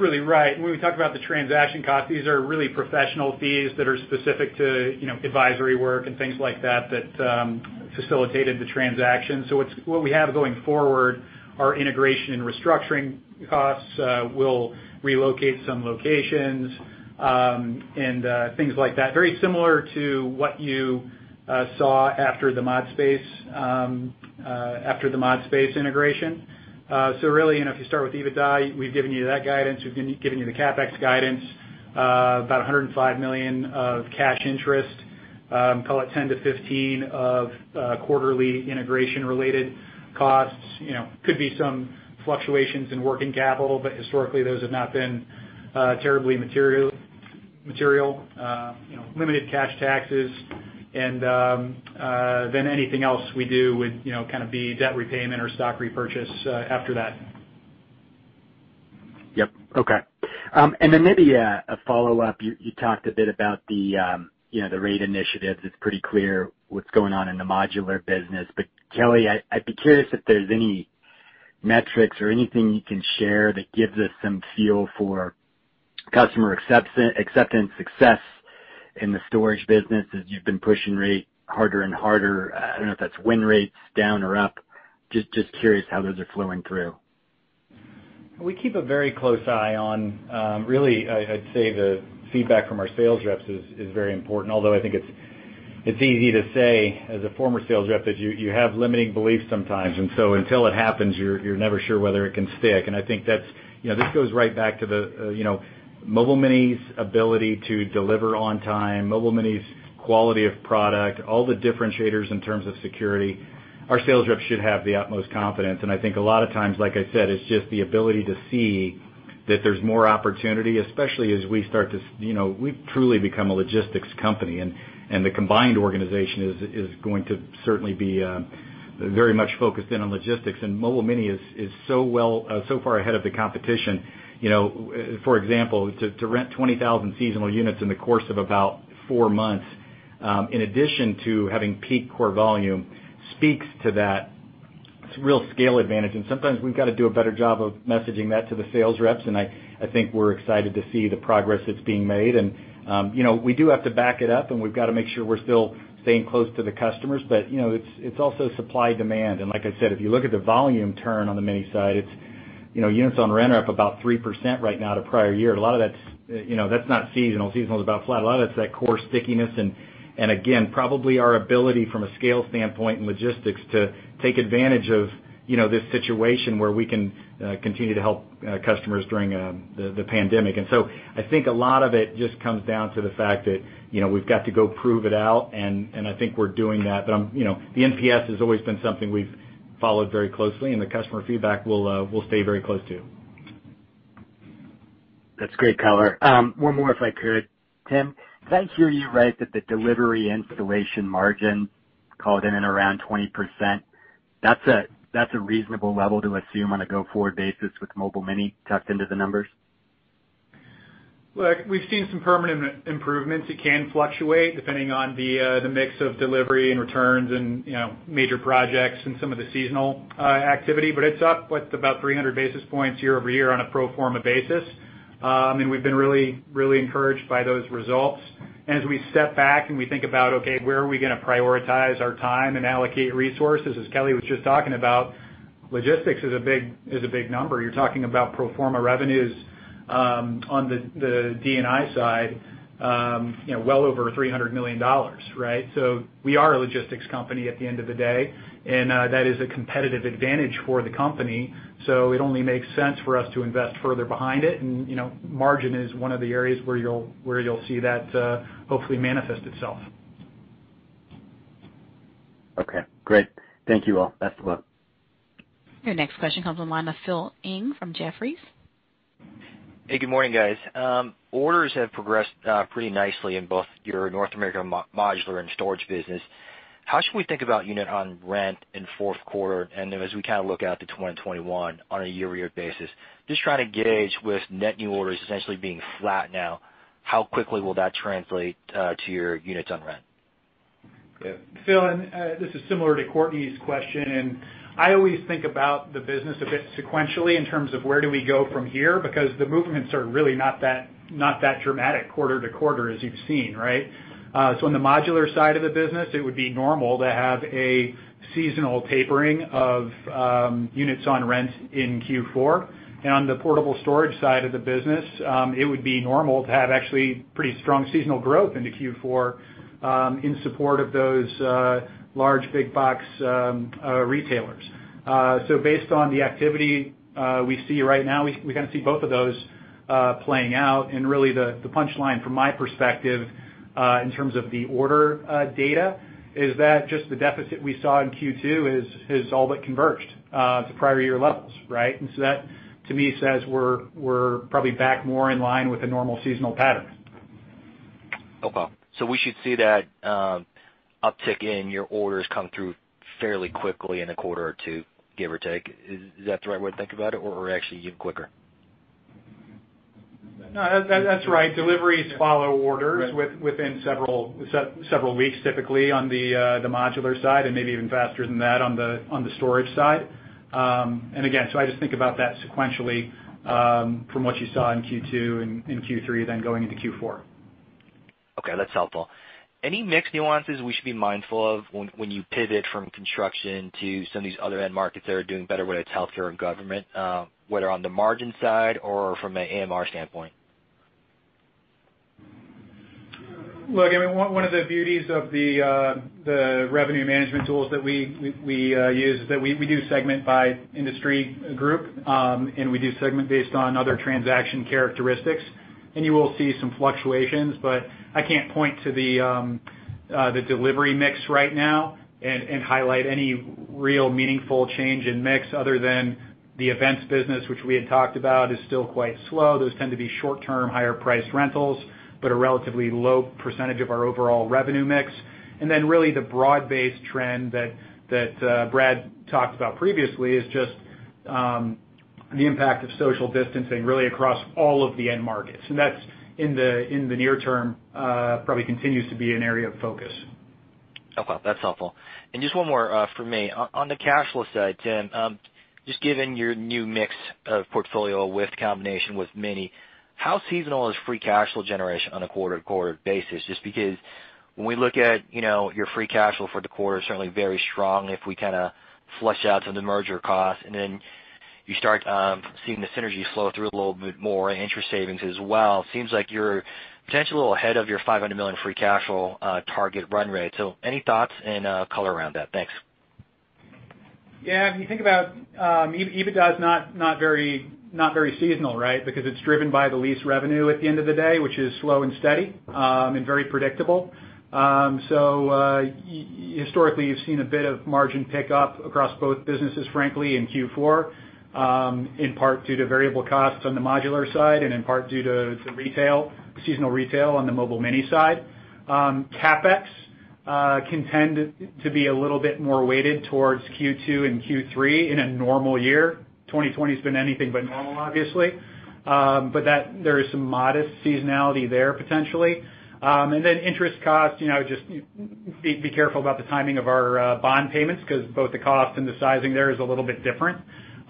[SPEAKER 5] really right. When we talk about the transaction costs, these are really professional fees that are specific to advisory work and things like that that facilitated the transaction. So what we have going forward are integration and restructuring costs. We'll relocate some locations and things like that. Very similar to what you saw after the ModSpace integration. So really, if you start with EBITDA, we've given you that guidance. We've given you the CapEx guidance, about $105 million of cash interest, call it 10-15 of quarterly integration-related costs. Could be some fluctuations in working capital, but historically, those have not been terribly material. Limited cash taxes. And then anything else we do would kind of be debt repayment or stock repurchase after that.
[SPEAKER 13] Yep. Okay. And then maybe a follow-up. You talked a bit about the rate initiative. It's pretty clear what's going on in the modular business.
[SPEAKER 5] But Kelly, I'd be curious if there's any metrics or anything you can share that gives us some feel for customer acceptance success in the storage business as you've been pushing rate harder and harder. I don't know if that's win rates down or up. Just curious how those are flowing through.
[SPEAKER 4] We keep a very close eye on really, I'd say the feedback from our sales reps is very important. Although I think it's easy to say as a former sales rep that you have limiting beliefs sometimes. And so until it happens, you're never sure whether it can stick. And I think this goes right back to the Mobile Mini's ability to deliver on time, Mobile Mini's quality of product, all the differentiators in terms of security. Our sales reps should have the utmost confidence. And I think a lot of times, like I said, it's just the ability to see that there's more opportunity, especially as we start to we've truly become a logistics company. And the combined organization is going to certainly be very much focused in on logistics. And Mobile Mini is so far ahead of the competition. For example, to rent 20,000 seasonal units in the course of about four months, in addition to having peak core volume, speaks to that real scale advantage. And sometimes we've got to do a better job of messaging that to the sales reps. And I think we're excited to see the progress that's being made. And we do have to back it up, and we've got to make sure we're still staying close to the customers. But it's also supply-demand. Like I said, if you look at the volume turn on the mini side, units on rent are up about 3% right now to prior year. A lot of that's not seasonal. Seasonal is about flat. A lot of that's that core stickiness. Again, probably our ability from a scale standpoint and logistics to take advantage of this situation where we can continue to help customers during the pandemic. So I think a lot of it just comes down to the fact that we've got to go prove it out. I think we're doing that. The NPS has always been something we've followed very closely, and the customer feedback will stay very close to.
[SPEAKER 13] That's great color. One more if I could. Tim, did I hear you right that the delivery installation margin called in at around 20%? That's a reasonable level to assume on a go-forward basis with Mobile Mini tucked into the numbers?
[SPEAKER 5] Look, we've seen some permanent improvements. It can fluctuate depending on the mix of delivery and returns and major projects and some of the seasonal activity. But it's up with about 300 basis points year over year on a pro forma basis. And we've been really, really encouraged by those results. And as we step back and we think about, okay, where are we going to prioritize our time and allocate resources, as Kelly was just talking about, logistics is a big number. You're talking about pro forma revenues on the D&I side, well over $300 million, right? So we are a logistics company at the end of the day. And that is a competitive advantage for the company. So it only makes sense for us to invest further behind it. And margin is one of the areas where you'll see that hopefully manifest itself.
[SPEAKER 13] Okay. Great. Thank you all. Best of luck.
[SPEAKER 1] Your next question comes on the line of Phil Ng from Jefferies.
[SPEAKER 14] Hey, good morning, guys. Orders have progressed pretty nicely in both your North America modular and storage business. How should we think about unit on rent in fourth quarter? And as we kind of look out to 2021 on a year-over-year basis, just trying to gauge with net new orders essentially being flat now, how quickly will that translate to your units on rent?
[SPEAKER 5] Yeah. Phil, and this is similar to Courtney's question. And I always think about the business a bit sequentially in terms of where do we go from here because the movements are really not that dramatic quarter to quarter as you've seen, right? So on the modular side of the business, it would be normal to have a seasonal tapering of units on rent in Q4. And on the portable storage side of the business, it would be normal to have actually pretty strong seasonal growth into Q4 in support of those large big-box retailers. So based on the activity we see right now, we kind of see both of those playing out. And really, the punchline from my perspective in terms of the order data is that just the deficit we saw in Q2 has all but converged to prior year levels, right? And so that, to me, says we're probably back more in line with a normal seasonal pattern.
[SPEAKER 14] Okay. So we should see that uptick in your orders come through fairly quickly in a quarter or two, give or take. Is that the right way to think about it? Or actually even quicker?
[SPEAKER 5] No, that's right. Deliveries follow orders within several weeks, typically, on the modular side and maybe even faster than that on the storage side. And again, so I just think about that sequentially from what you saw in Q2 and Q3, then going into Q4.
[SPEAKER 14] Okay. That's helpful. Any mixed nuances we should be mindful of when you pivot from construction to some of these other end markets that are doing better, whether it's healthcare and government, whether on the margin side or from an AMR standpoint?
[SPEAKER 5] Look, I mean, one of the beauties of the revenue management tools that we use is that we do segment by industry group. And we do segment based on other transaction characteristics. And you will see some fluctuations. But I can't point to the delivery mix right now and highlight any real meaningful change in mix other than the events business, which we had talked about is still quite slow. Those tend to be short-term, higher-priced rentals, but a relatively low percentage of our overall revenue mix. And then really the broad-based trend that Brad talked about previously is just the impact of social distancing really across all of the end markets. And that's in the near term probably continues to be an area of focus.
[SPEAKER 14] Okay. That's helpful. And just one more for me. On the cash flow side, Tim, just given your new mix of portfolio with combination with Mini, how seasonal is free cash flow generation on a quarter-to-quarter basis? Just because when we look at your free cash flow for the quarter, certainly very strong if we kind of flush out some of the merger costs. And then you start seeing the synergy flow through a little bit more interest savings as well. Seems like you're potentially a little ahead of your $500 million free cash flow target run rate. So any thoughts and color around that? Thanks.
[SPEAKER 5] Yeah. If you think about EBITDA is not very seasonal, right? Because it's driven by the lease revenue at the end of the day, which is slow and steady and very predictable. So historically, you've seen a bit of margin pickup across both businesses, frankly, in Q4 in part due to variable costs on the modular side and in part due to seasonal retail on the Mobile Mini side. CapEx can tend to be a little bit more weighted towards Q2 and Q3 in a normal year. 2020 has been anything but normal, obviously. But there is some modest seasonality there potentially. And then interest costs, just be careful about the timing of our bond payments because both the cost and the sizing there is a little bit different.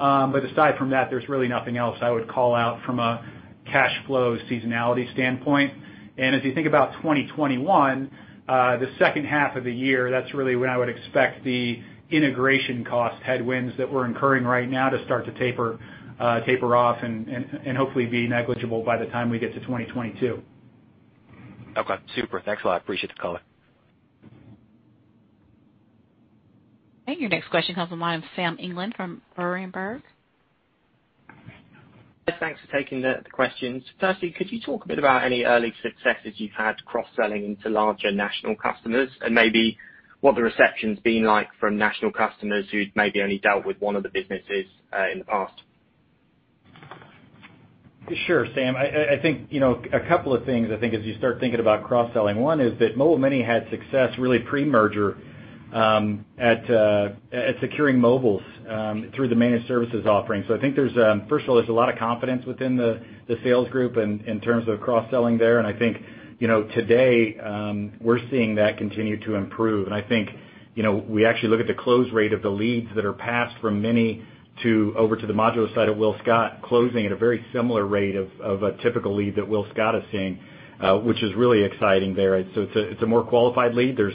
[SPEAKER 5] But aside from that, there's really nothing else I would call out from a cash flow seasonality standpoint. And as you think about 2021, the second half of the year, that's really when I would expect the integration cost headwinds that we're incurring right now to start to taper off and hopefully be negligible by the time we get to 2022.
[SPEAKER 14] Okay. Super. Thanks a lot. Appreciate the call.
[SPEAKER 1] And your next question comes on the line of Sam England from Berenberg.
[SPEAKER 15] Thanks for taking the questions. Firstly, could you talk a bit about any early successes you've had cross-selling into larger national customers?
[SPEAKER 5] Maybe what the reception's been like from national customers who've maybe only dealt with one of the businesses in the past?
[SPEAKER 4] Sure, Sam. I think a couple of things I think as you start thinking about cross-selling. One is that Mobile Mini had success really pre-merger at securing mobiles through the managed services offering. So I think there's, first of all, there's a lot of confidence within the sales group in terms of cross-selling there. And I think today we're seeing that continue to improve. And I think we actually look at the close rate of the leads that are passed from Mini to over to the modular side at WillScot closing at a very similar rate of a typical lead that WillScot is seeing, which is really exciting there. So it's a more qualified lead. There's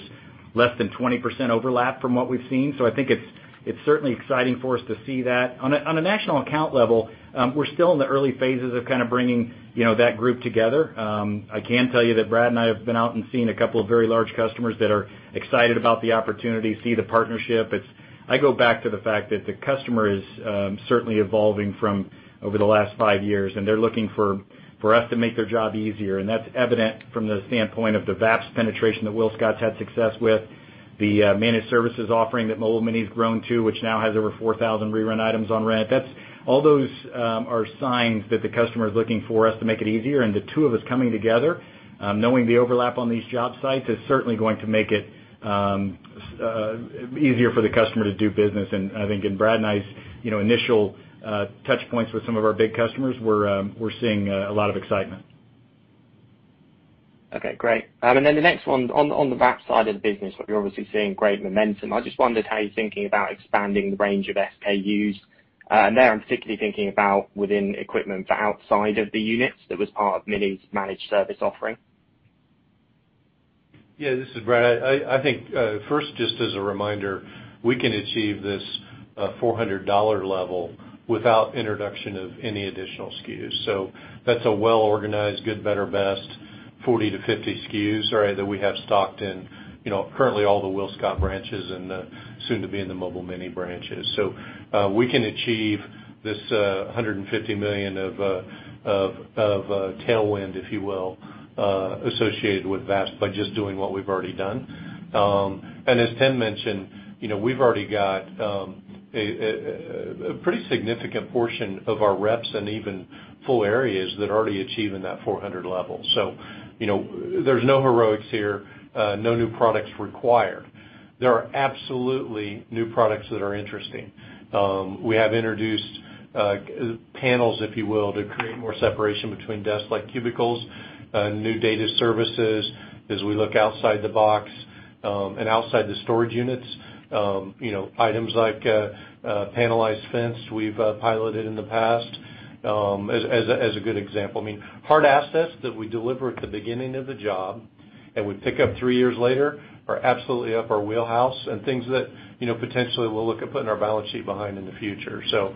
[SPEAKER 4] less than 20% overlap from what we've seen. I think it's certainly exciting for us to see that. On a national account level, we're still in the early phases of kind of bringing that group together. I can tell you that Brad and I have been out and seen a couple of very large customers that are excited about the opportunity, see the partnership. I go back to the fact that the customer is certainly evolving from over the last five years. They're looking for us to make their job easier. That's evident from the standpoint of the VAPs penetration that WillScot's had success with, the managed services offering that Mobile Mini's grown to, which now has over 4,000 re-rent items on rent. All those are signs that the customer is looking for us to make it easier.
[SPEAKER 5] And the two of us coming together, knowing the overlap on these job sites, is certainly going to make it easier for the customer to do business. And I think in Brad and I's initial touchpoints with some of our big customers, we're seeing a lot of excitement.
[SPEAKER 15] Okay. Great. And then the next one on the VAPS side of the business, what you're obviously seeing great momentum. I just wondered how you're thinking about expanding the range of SKUs. And there I'm particularly thinking about within equipment for outside of the units that was part of Mini's managed service offering.
[SPEAKER 3] Yeah. This is Brad. I think first, just as a reminder, we can achieve this $400 level without introduction of any additional SKUs. So that's a well-organized, good, better, best 40-50 SKUs, right, that we have stocked in currently all the WillScot branches and soon to be in the Mobile Mini branches. So we can achieve this $150 million of tailwind, if you will, associated with VAPs by just doing what we've already done. And as Tim mentioned, we've already got a pretty significant portion of our reps and even full areas that are already achieving that 400 level. So there's no heroics here, no new products required. There are absolutely new products that are interesting. We have introduced panels, if you will, to create more separation between desks like cubicles, new data services as we look outside the box, and outside the storage units, items like panelized fence we've piloted in the past as a good example. I mean, hard assets that we deliver at the beginning of the job and we pick up three years later are absolutely up our wheelhouse and things that potentially we'll look at putting our balance sheet behind in the future. So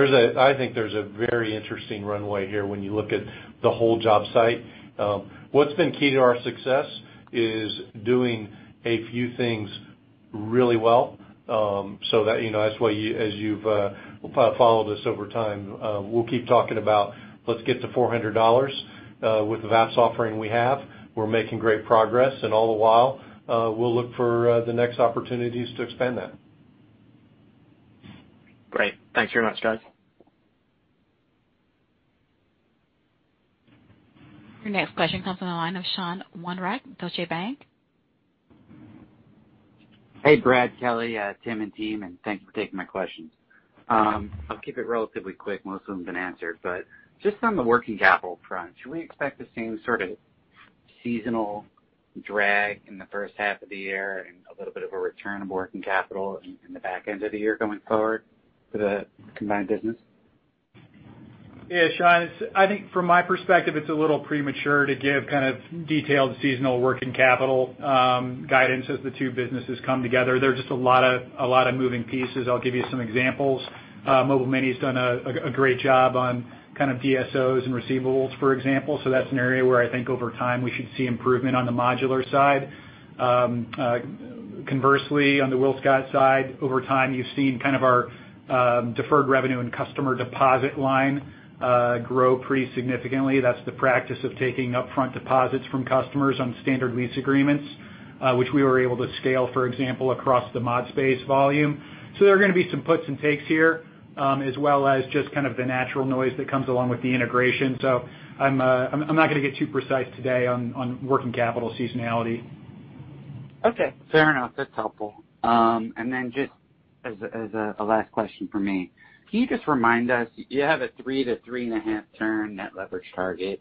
[SPEAKER 3] I think there's a very interesting runway here when you look at the whole job site. What's been key to our success is doing a few things really well. So that's why as you've followed us over time, we'll keep talking about, "Let's get to $400 with the VAPS offering we have." We're making great progress, and all the while, we'll look for the next opportunities to expand that.
[SPEAKER 15] Great. Thanks very much, guys.
[SPEAKER 1] Your next question comes on the line of Sean Wondrak, Deutsche Bank.
[SPEAKER 16] Hey, Brad, Kelly, Tim, and team, and thank you for taking my questions. I'll keep it relatively quick.
[SPEAKER 5] Most of them have been answered. But just on the working capital front, should we expect the same sort of seasonal drag in the first half of the year and a little bit of a return of working capital in the back end of the year going forward for the combined business? Yeah, Sean, I think from my perspective, it's a little premature to give kind of detailed seasonal working capital guidance as the two businesses come together. There's just a lot of moving pieces. I'll give you some examples. Mobile Mini's done a great job on kind of DSOs and receivables, for example. So that's an area where I think over time we should see improvement on the modular side. Conversely, on the WillScot side, over time you've seen kind of our deferred revenue and customer deposit line grow pretty significantly. That's the practice of taking upfront deposits from customers on standard lease agreements, which we were able to scale, for example, across the ModSpace volume. So there are going to be some puts and takes here as well as just kind of the natural noise that comes along with the integration. So I'm not going to get too precise today on working capital seasonality.
[SPEAKER 16] Okay. Fair enough. That's helpful. And then just as a last question for me, can you just remind us you have a 3 to 3.5 turn net leverage target.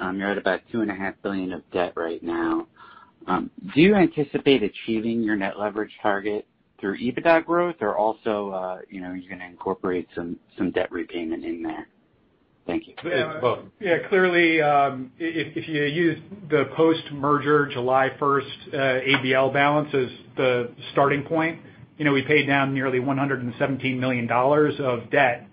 [SPEAKER 16] You're at about $2.5 billion of debt right now. Do you anticipate achieving your net leverage target through EBITDA growth or also you're going to incorporate some debt repayment in there? Thank you. Yeah.
[SPEAKER 5] Clearly, if you use the post-merger July 1st ABL balance as the starting point, we paid down nearly $117 million of debt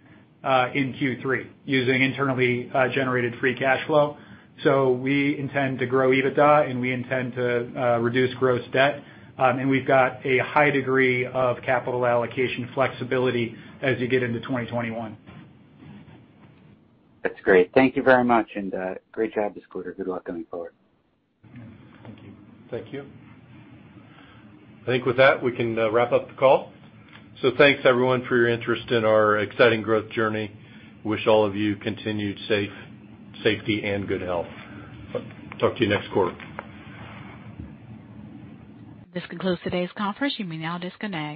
[SPEAKER 5] in Q3 using internally generated free cash flow. So we intend to grow EBITDA and we intend to reduce gross debt. And we've got a high degree of capital allocation flexibility as you get into 2021.
[SPEAKER 16] That's great. Thank you very much. And great job, this quarter. Good luck going forward. Thank you.
[SPEAKER 3] Thank you. I think with that, we can wrap up the call. So thanks everyone for your interest in our exciting growth journey. Wish all of you continued safety and good health. Talk to you next quarter.
[SPEAKER 1] This concludes today's conference. You may now disconnect.